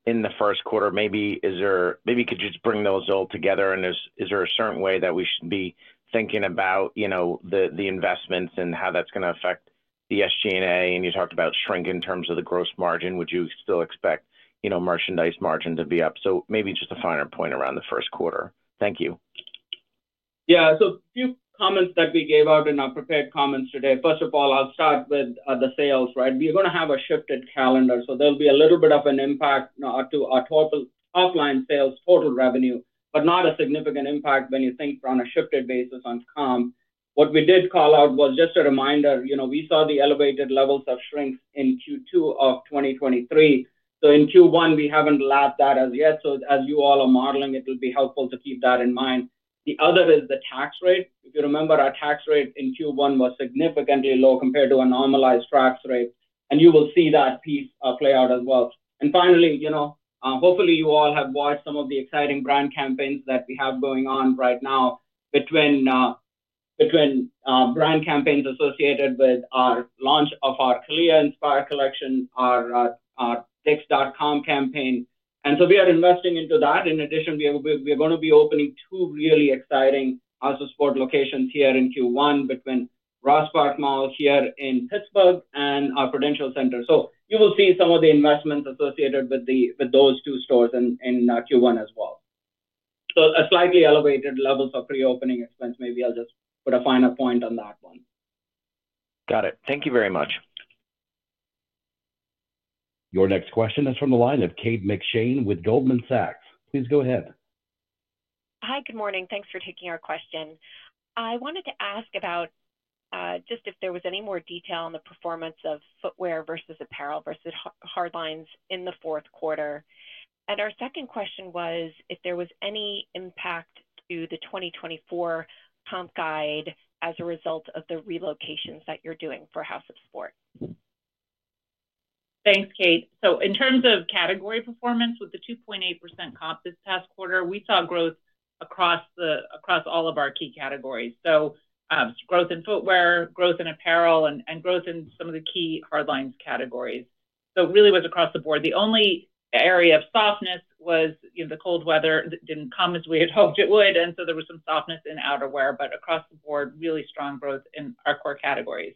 in the first quarter. Maybe is there... Maybe you could just bring those all together, and is there a certain way that we should be thinking about, you know, the investments and how that's gonna affect the SG&A? You talked about shrink in terms of the gross margin. Would you still expect, you know, merchandise margin to be up? Maybe just a finer point around the first quarter. Thank you. Yeah. So a few comments that we gave out in our prepared comments today. First of all, I'll start with the sales, right? We're gonna have a shifted calendar, so there'll be a little bit of an impact to our total offline sales, total revenue, but not a significant impact when you think on a shifted basis on comp. What we did call out was just a reminder, you know, we saw the elevated levels of shrink in Q2 of 2023. So in Q1, we haven't lapped that as yet, so as you all are modeling, it'll be helpful to keep that in mind. The other is the tax rate. If you remember, our tax rate in Q1 was significantly lower compared to a normalized tax rate, and you will see that piece play out as well. And finally, you know, hopefully, you all have watched some of the exciting brand campaigns that we have going on right now between brand campaigns associated with our launch of our CALIA Inspire collection, our DICK'S dot-com campaign, and so we are investing into that. In addition, we are gonna be opening 2 really exciting House of Sport locations here in Q1 between Ross Park Mall here in Pittsburgh and our Prudential Center. So you will see some of the investments associated with those 2 stores in Q1 as well. So a slightly elevated levels of pre-opening expense. Maybe I'll just put a finer point on that one. Got it. Thank you very much. Your next question is from the line of Kate McShane with Goldman Sachs. Please go ahead. Hi, good morning. Thanks for taking our question. I wanted to ask about just if there was any more detail on the performance of footwear versus apparel versus hard lines in the fourth quarter. And our second question was if there was any impact to the 2024 comp guide as a result of the relocations that you're doing for House of Sport? Thanks, Kate. So in terms of category performance, with the 2.8% comp this past quarter, we saw growth across--across all of our key categories. So, growth in footwear, growth in apparel, and growth in some of the key hard lines categories. So it really was across the board. The only area of softness was, you know, the cold weather that didn't come as we had hoped it would, and so there was some softness in outerwear, but across the board, really strong growth in our core categories.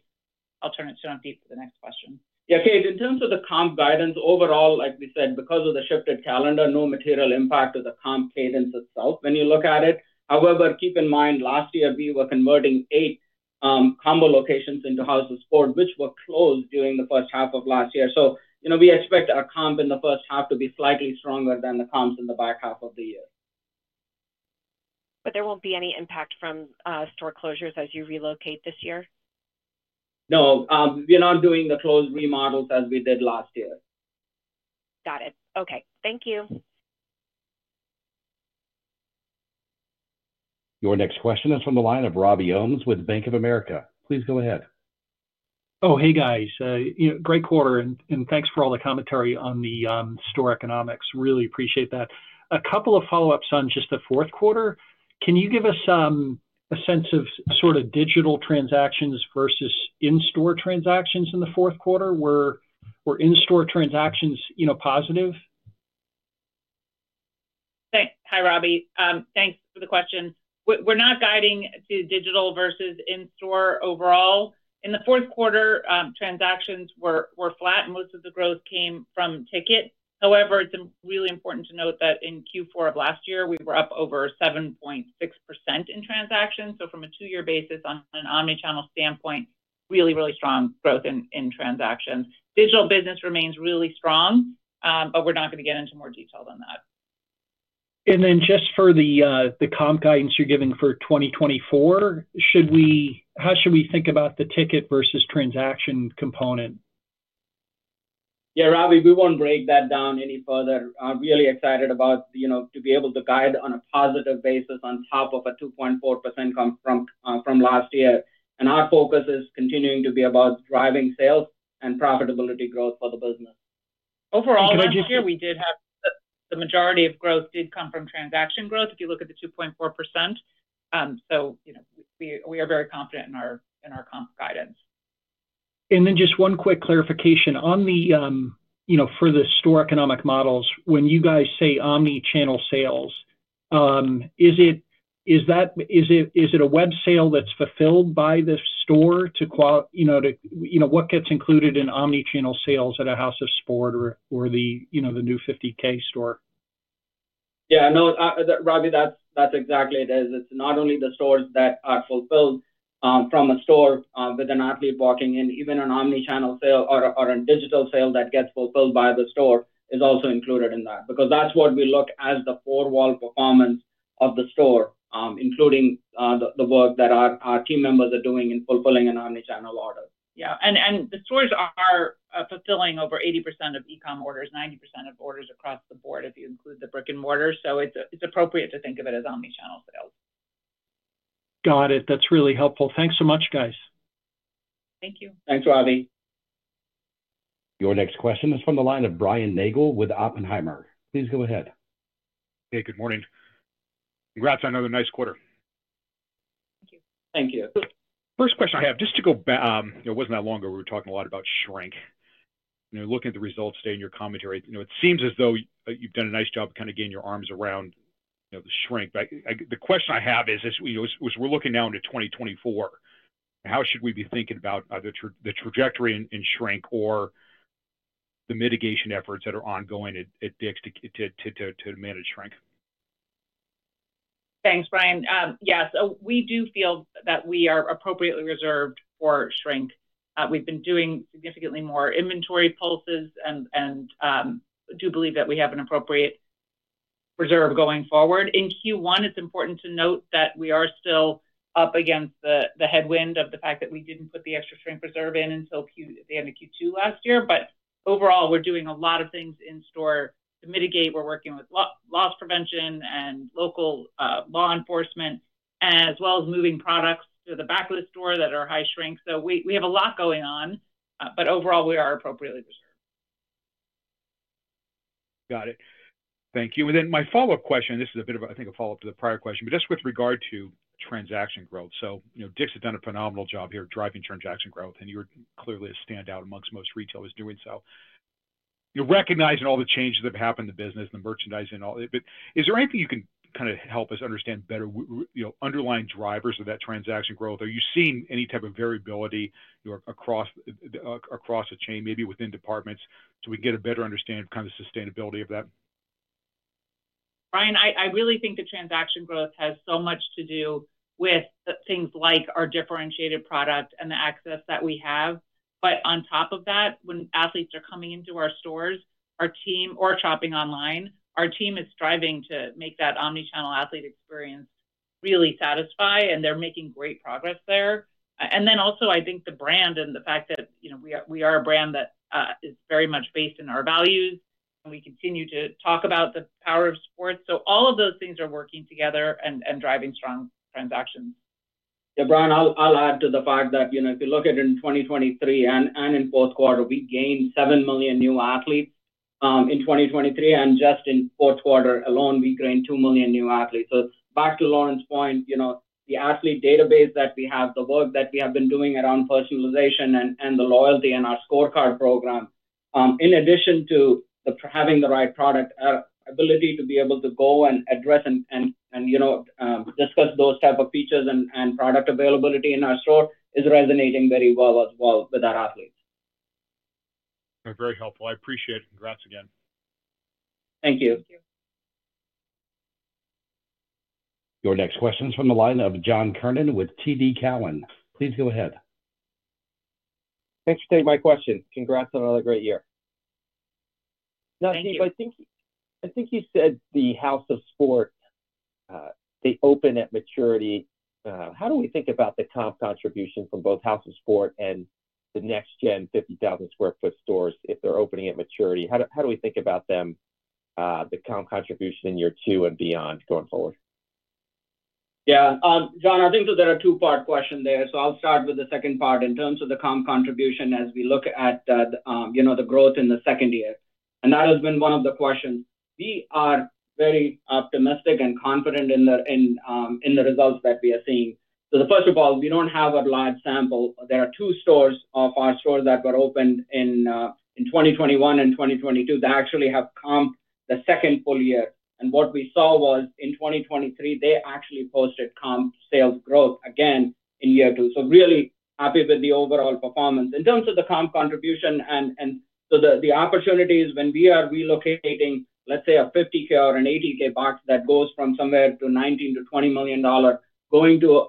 I'll turn it to Navdeep for the next question. Yeah, Kate, in terms of the comp guidance, overall, like we said, because of the shifted calendar, no material impact to the comp cadence itself when you look at it. However, keep in mind, last year we were converting 8 combo locations into House of Sport, which were closed during the first half of last year. So, you know, we expect our comp in the first half to be slightly stronger than the comps in the back half of the year. There won't be any impact from store closures as you relocate this year? No, we are not doing the closed remodels as we did last year. Got it. Okay. Thank you. Your next question is from the line of Robbie Ohmes with Bank of America. Please go ahead. Oh, hey, guys. You know, great quarter, and thanks for all the commentary on the store economics. Really appreciate that. A couple of follow-ups on just the fourth quarter. Can you give us a sense of sort of digital transactions versus in-store transactions in the fourth quarter? Were in-store transactions, you know, positive? Thanks. Hi, Robbie. Thanks for the question. We're not guiding to digital versus in-store overall. In the fourth quarter, transactions were flat, and most of the growth came from ticket. However, it's really important to note that in Q4 of last year, we were up over 7.6% in transactions. So from a two-year basis on an omni-channel standpoint, really strong growth in transactions. Digital business remains really strong, but we're not gonna get into more detail than that. Then, just for the comp guidance you're giving for 2024, should we, how should we think about the ticket versus transaction component? Yeah, Robbie, we won't break that down any further. I'm really excited about, you know, to be able to guide on a positive basis on top of a 2.4% comp from, from last year. And our focus is continuing to be about driving sales and profitability growth for the business. overall, last year, we did have the majority of growth did come from transaction growth, if you look at the 2.4%. So, you know, we, we are very confident in our, in our comp guidance. Then just one quick clarification. On the, you know, for the store economic models, when you guys say omnichannel sales, is it a web sale that's fulfilled by the store to qualify? You know, what gets included in omnichannel sales at a House of Sport or the new 50K store? Yeah, no, Robbie, that's, that's exactly it is. It's not only the stores that are fulfilled from a store with an athlete walking in. Even an omnichannel sale or a digital sale that gets fulfilled by the store is also included in that, because that's what we look as the four-wall performance of the store, including the work that our team members are doing in fulfilling an omnichannel order. Yeah, and the stores are fulfilling over 80% of e-com orders, 90% of orders across the board, if you include the brick-and-mortar. So it's appropriate to think of it as omni-channel sales. Got it. That's really helpful. Thanks so much, guys. Thank you. Thanks, Robbie. Your next question is from the line of Brian Nagel with Oppenheimer. Please go ahead. Hey, good morning. Congrats on another nice quarter. Thank you. Thank you. First question I have, just to go back, it wasn't that long ago, we were talking a lot about shrink. You know, looking at the results today and your commentary, you know, it seems as though you've done a nice job of kind of getting your arms around, you know, the shrink. But, I... The question I have is, you know, as we're looking now into 2024, how should we be thinking about the trajectory in shrink or the mitigation efforts that are ongoing at Dick's to manage shrink? Thanks, Brian. Yes, so we do feel that we are appropriately reserved for shrink. We've been doing significantly more inventory pulses and do believe that we have an appropriate reserve going forward. In Q1, it's important to note that we are still up against the headwind of the fact that we didn't put the extra shrink reserve in until the end of Q2 last year. But overall, we're doing a lot of things in store to mitigate. We're working with loss prevention and local law enforcement, as well as moving products to the back of the store that are high shrink. So we have a lot going on, but overall, we are appropriately reserved. Got it. Thank you. And then my follow-up question, this is a bit of a, I think, a follow-up to the prior question, but just with regard to transaction growth. So, you know, DICK'S has done a phenomenal job here driving transaction growth, and you're clearly a standout amongst most retailers doing so. You're recognizing all the changes that have happened in the business, the merchandising, all... But is there anything you can kind of help us understand better, you know, underlying drivers of that transaction growth? Are you seeing any type of variability, you know, across the, across the chain, maybe within departments, so we can get a better understanding of kind of sustainability of that? Brian, I really think the transaction growth has so much to do with the things like our differentiated product and the access that we have. But on top of that, when athletes are coming into our stores, our team, or shopping online, our team is striving to make that omnichannel athlete experience really satisfy, and they're making great progress there. And then also, I think the brand and the fact that, you know, we are, we are a brand that is very much based in our values, and we continue to talk about the power of sport. So all of those things are working together and driving strong transactions. Yeah, Brian, I'll add to the fact that, you know, if you look at in 2023 and in fourth quarter, we gained 7 million new athletes in 2023, and just in fourth quarter alone, we gained 2 million new athletes. So back to Lauren's point, you know, the athlete database that we have, the work that we have been doing around personalization and the loyalty, and our ScoreCard program, in addition to having the right product, ability to be able to go and address and, you know, discuss those type of features and product availability in our store is resonating very well as well with our athletes. Very helpful. I appreciate it. Congrats again. Thank you. Thank you. Your next question is from the line of John Kernan with TD Cowen. Please go ahead. Thanks for taking my question. Congrats on another great year. Thank you. Now, Steve, I think, I think you said the House of Sport they open at maturity. How do we think about the comp contribution from both House of Sport and the next gen 50,000 sq ft stores if they're opening at maturity? How do we think about them, the comp contribution in year two and beyond going forward? Yeah, John, I think that there are two-part question there, so I'll start with the second part. In terms of the comp contribution, as we look at the, you know, the growth in the second year, and that has been one of the questions. We are very optimistic and confident in the, in, in the results that we are seeing. So first of all, we don't have a large sample. There are two stores of our stores that were opened in, in 2021 and 2022. They actually have comp the second full year, and what we saw was in 2023, they actually posted comp sales growth again in year two. So really happy with the overall performance. In terms of the comp contribution and so the opportunities when we are relocating, let's say, a 50K or an 80K box that goes from somewhere in the $19 million-$20 million, going to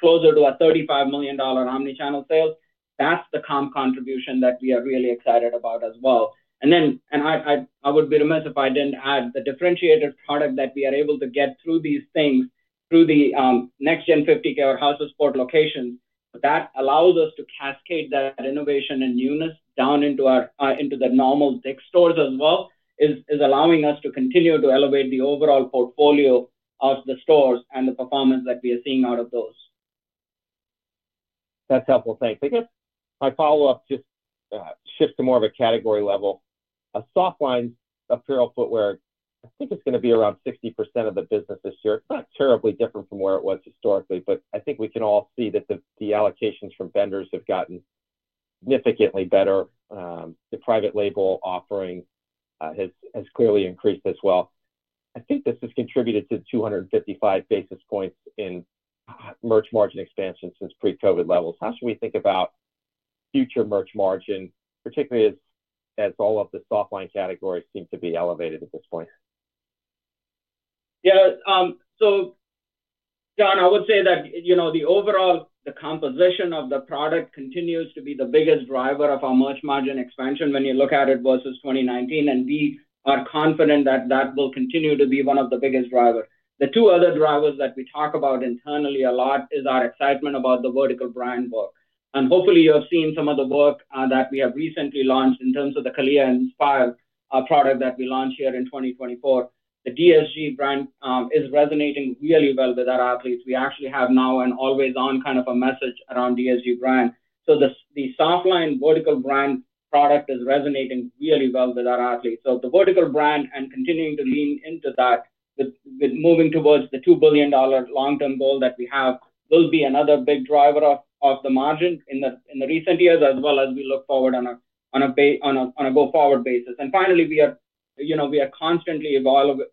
closer to a $35 million omnichannel sales, that's the comp contribution that we are really excited about as well. And then, I would be remiss if I didn't add the differentiated product that we are able to get through these things, through the next gen 50K or House of Sport locations, that allows us to cascade that innovation and newness down into the normal DICK'S stores as well, is allowing us to continue to elevate the overall portfolio of the stores and the performance that we are seeing out of those. That's helpful, thanks. I guess my follow-up just shifts to more of a category level. Softline apparel footwear, I think it's gonna be around 60% of the business this year. It's not terribly different from where it was historically, but I think we can all see that the allocations from vendors have gotten significantly better. The private label offering has clearly increased as well. I think this has contributed to 255 basis points in merch margin expansion since pre-COVID levels. How should we think about future merch margin, particularly as all of the softline categories seem to be elevated at this point? Yeah. So John, I would say that, you know, the overall, the composition of the product continues to be the biggest driver of our merch margin expansion when you look at it versus 2019, and we are confident that that will continue to be one of the biggest driver. The two other drivers that we talk about internally a lot is our excitement about the vertical brand work. Hopefully, you have seen some of the work that we have recently launched in terms of the CALIA inspired product that we launched here in 2024. The DSG brand is resonating really well with our athletes. We actually have now an always-on kind of a message around DSG brand. So the softline vertical brand product is resonating really well with our athletes. So the vertical brand and continuing to lean into that with moving towards the $2 billion long-term goal that we have, will be another big driver of the margin in the recent years, as well as we look forward on a go-forward basis. And finally, we are, you know, we are constantly evolving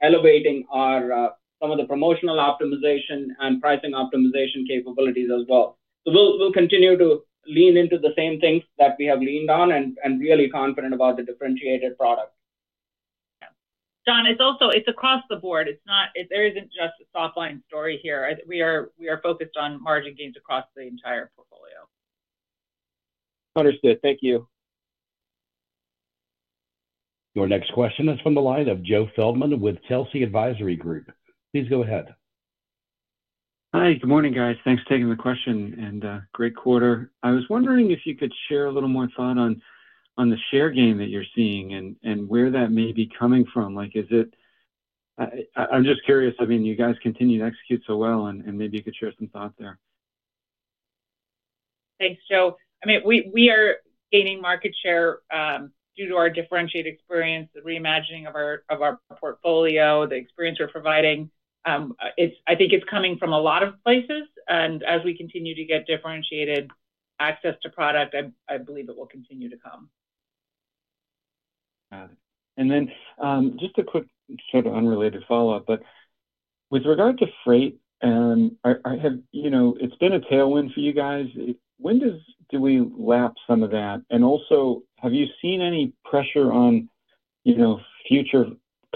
elevating our some of the promotional optimization and pricing optimization capabilities as well. So we'll continue to lean into the same things that we have leaned on and really confident about the differentiated product. Yeah. John, it's also, it's across the board. It's not... there isn't just a softline story here. We are focused on margin gains across the entire portfolio. Understood. Thank you. Your next question is from the line of Joe Feldman with Telsey Advisory Group. Please go ahead. Hi. Good morning, guys. Thanks for taking the question, and great quarter. I was wondering if you could share a little more thought on the share gain that you're seeing and where that may be coming from. Like, is it, I'm just curious. I mean, you guys continue to execute so well, and maybe you could share some thoughts there. Thanks, Joe. I mean, we, we are gaining market share due to our differentiated experience, the reimagining of our, of our portfolio, the experience we're providing. I think it's coming from a lot of places, and as we continue to get differentiated access to product, I, I believe it will continue to come. Got it. And then, just a quick, sort of unrelated follow-up, but with regard to freight, and I have, you know, it's been a tailwind for you guys. It-- when does, do we lap some of that? And also, have you seen any pressure on, you know, future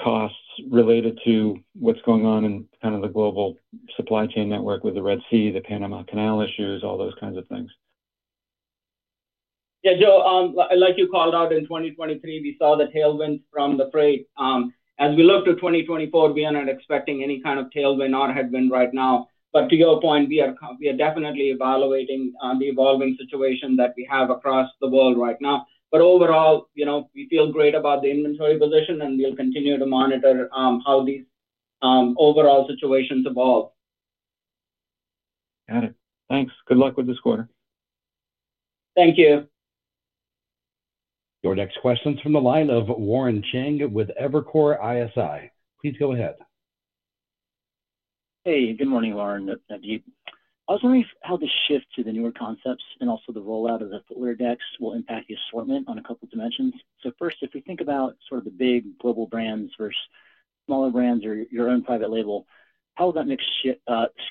costs related to what's going on in kind of the global supply chain network with the Red Sea, the Panama Canal issues, all those kinds of things? Yeah, Joe, like you called out in 2023, we saw the tailwinds from the freight. As we look to 2024, we are not expecting any kind of tailwind or headwind right now. But to your point, we are definitely evaluating the evolving situation that we have across the world right now. But overall, you know, we feel great about the inventory position, and we'll continue to monitor how these overall situations evolve. Got it. Thanks. Good luck with this quarter. Thank you. Your next question's from the line of Warren Cheng with Evercore ISI. Please go ahead. Hey, good morning, Lauren, Navdeep. I was wondering how the shift to the newer concepts and also the rollout of the footwear decks will impact the assortment on a couple dimensions. So first, if we think about sort of the big global brands versus smaller brands or your own private label, how will that mix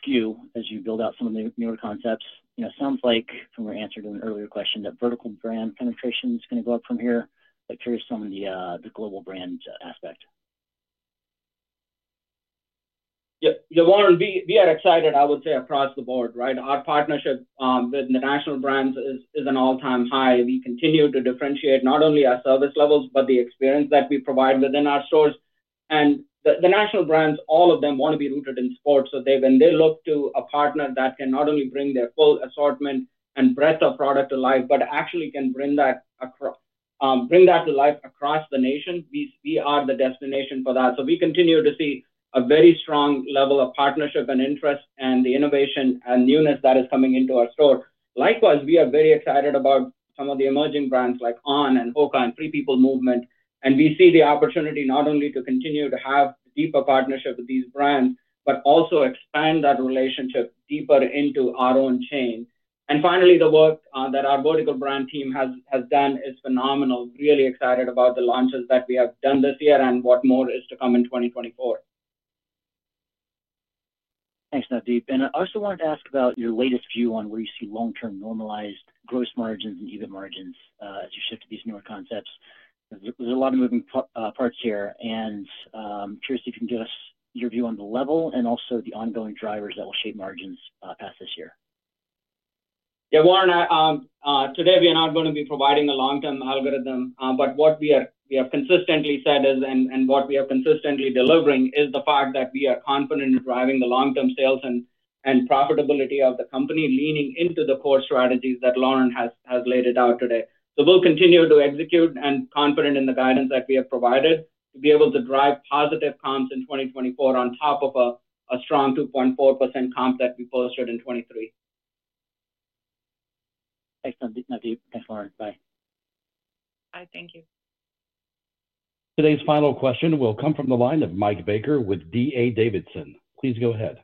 skew as you build out some of the newer concepts? You know, it sounds like from your answer to an earlier question, that vertical brand penetration is gonna go up from here. I'm curious from the global brand aspect. Yeah, yeah, Warren, we are excited, I would say, across the board, right? Our partnership with the national brands is an all-time high. We continue to differentiate not only our service levels, but the experience that we provide within our stores. The national brands, all of them want to be rooted in sports, so they, when they look to a partner that can not only bring their full assortment and breadth of product to life, but actually can bring that to life across the nation, we are the destination for that. So we continue to see a very strong level of partnership and interest and the innovation and newness that is coming into our store. Likewise, we are very excited about some of the emerging brands like On and Oca and Free People Movement, and we see the opportunity not only to continue to have deeper partnerships with these brands, but also expand that relationship deeper into our own chain. And finally, the work that our vertical brand team has done is phenomenal. Really excited about the launches that we have done this year and what more is to come in 2024. Thanks, Navdeep. And I also wanted to ask about your latest view on where you see long-term normalized gross margins and EBIT margins as you shift to these newer concepts. There's a lot of moving parts here, and curious if you can give us your view on the level and also the ongoing drivers that will shape margins past this year. Yeah, Warren, today, we are not gonna be providing a long-term algorithm, but what we are—we have consistently said is, and, and what we are consistently delivering, is the fact that we are confident in driving the long-term sales and, and profitability of the company, leaning into the core strategies that Lauren has laid it out today. So we'll continue to execute and confident in the guidance that we have provided to be able to drive positive comps in 2024 on top of a strong 2.4% comp that we posted in 2023. Excellent. Thank you. Thanks, Lauren. Bye. Bye. Thank you. Today's final question will come from the line of Mike Baker with D.A. Davidson. Please go ahead.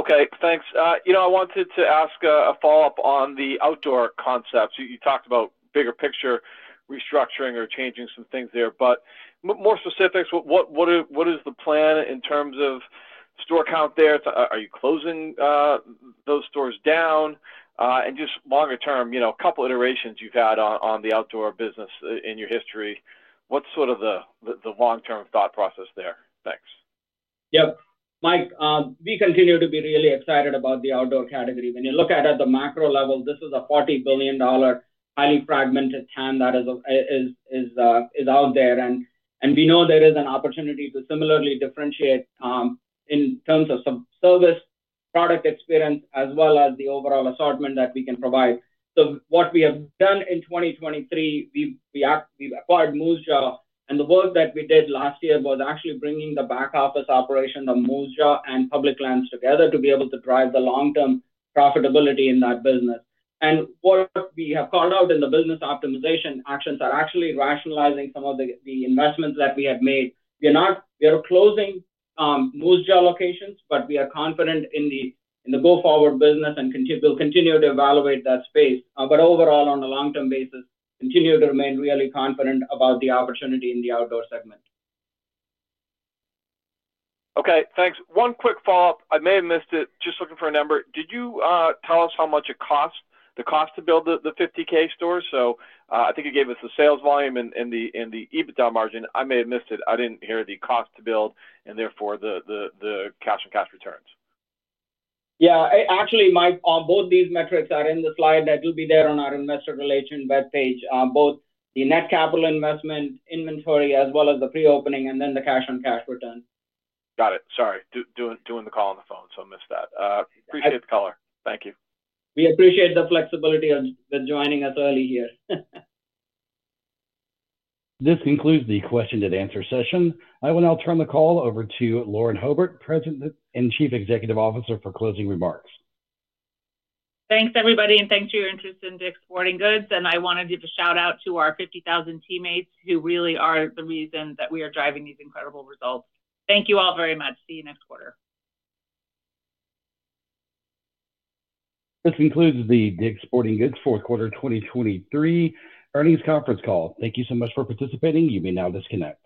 Okay, thanks. You know, I wanted to ask a follow-up on the outdoor concepts. You talked about bigger picture restructuring or changing some things there, but more specifics, what is the plan in terms of store count there? Are you closing those stores down? And just longer term, you know, a couple iterations you've had on the outdoor business in your history. What's the long-term thought process there? Thanks. Yep. Mike, we continue to be really excited about the outdoor category. When you look at it at the macro level, this is a $40 billion highly fragmented TAM that is out there. And we know there is an opportunity to similarly differentiate in terms of some service, product experience, as well as the overall assortment that we can provide. So what we have done in 2023, we've acquired Moosejaw, and the work that we did last year was actually bringing the back office operation of Moosejaw and Public Lands together to be able to drive the long-term profitability in that business. And what we have called out in the business optimization actions are actually rationalizing some of the investments that we have made. We are closing Moosejaw locations, but we are confident in the go-forward business and we'll continue to evaluate that space. But overall, on a long-term basis, continue to remain really confident about the opportunity in the outdoor segment. Okay, thanks. One quick follow-up. I may have missed it, just looking for a number. Did you tell us how much it costs, the cost to build the 50K stores? So, I think you gave us the sales volume and the EBITDA margin. I may have missed it. I didn't hear the cost to build, and therefore, the cash on cash returns. Yeah. Actually, Mike, on both these metrics are in the slide that will be there on our investor relations web page. Both the net capital investment inventory as well as the pre-opening, and then the cash-on-cash return. Got it. Sorry. Doing the call on the phone, so I missed that. Appreciate the call though. Thank you. We appreciate the flexibility of those joining us early here. This concludes the question and answer session. I will now turn the call over to Lauren Hobart, President and Chief Executive Officer, for closing remarks. Thanks, everybody, and thanks for your interest in DICK'S Sporting Goods, and I wanted to give a shout-out to our 50,000 teammates, who really are the reason that we are driving these incredible results. Thank you all very much. See you next quarter. This concludes the DICK'S Sporting Goods fourth quarter 2023 earnings conference call. Thank you so much for participating. You may now disconnect.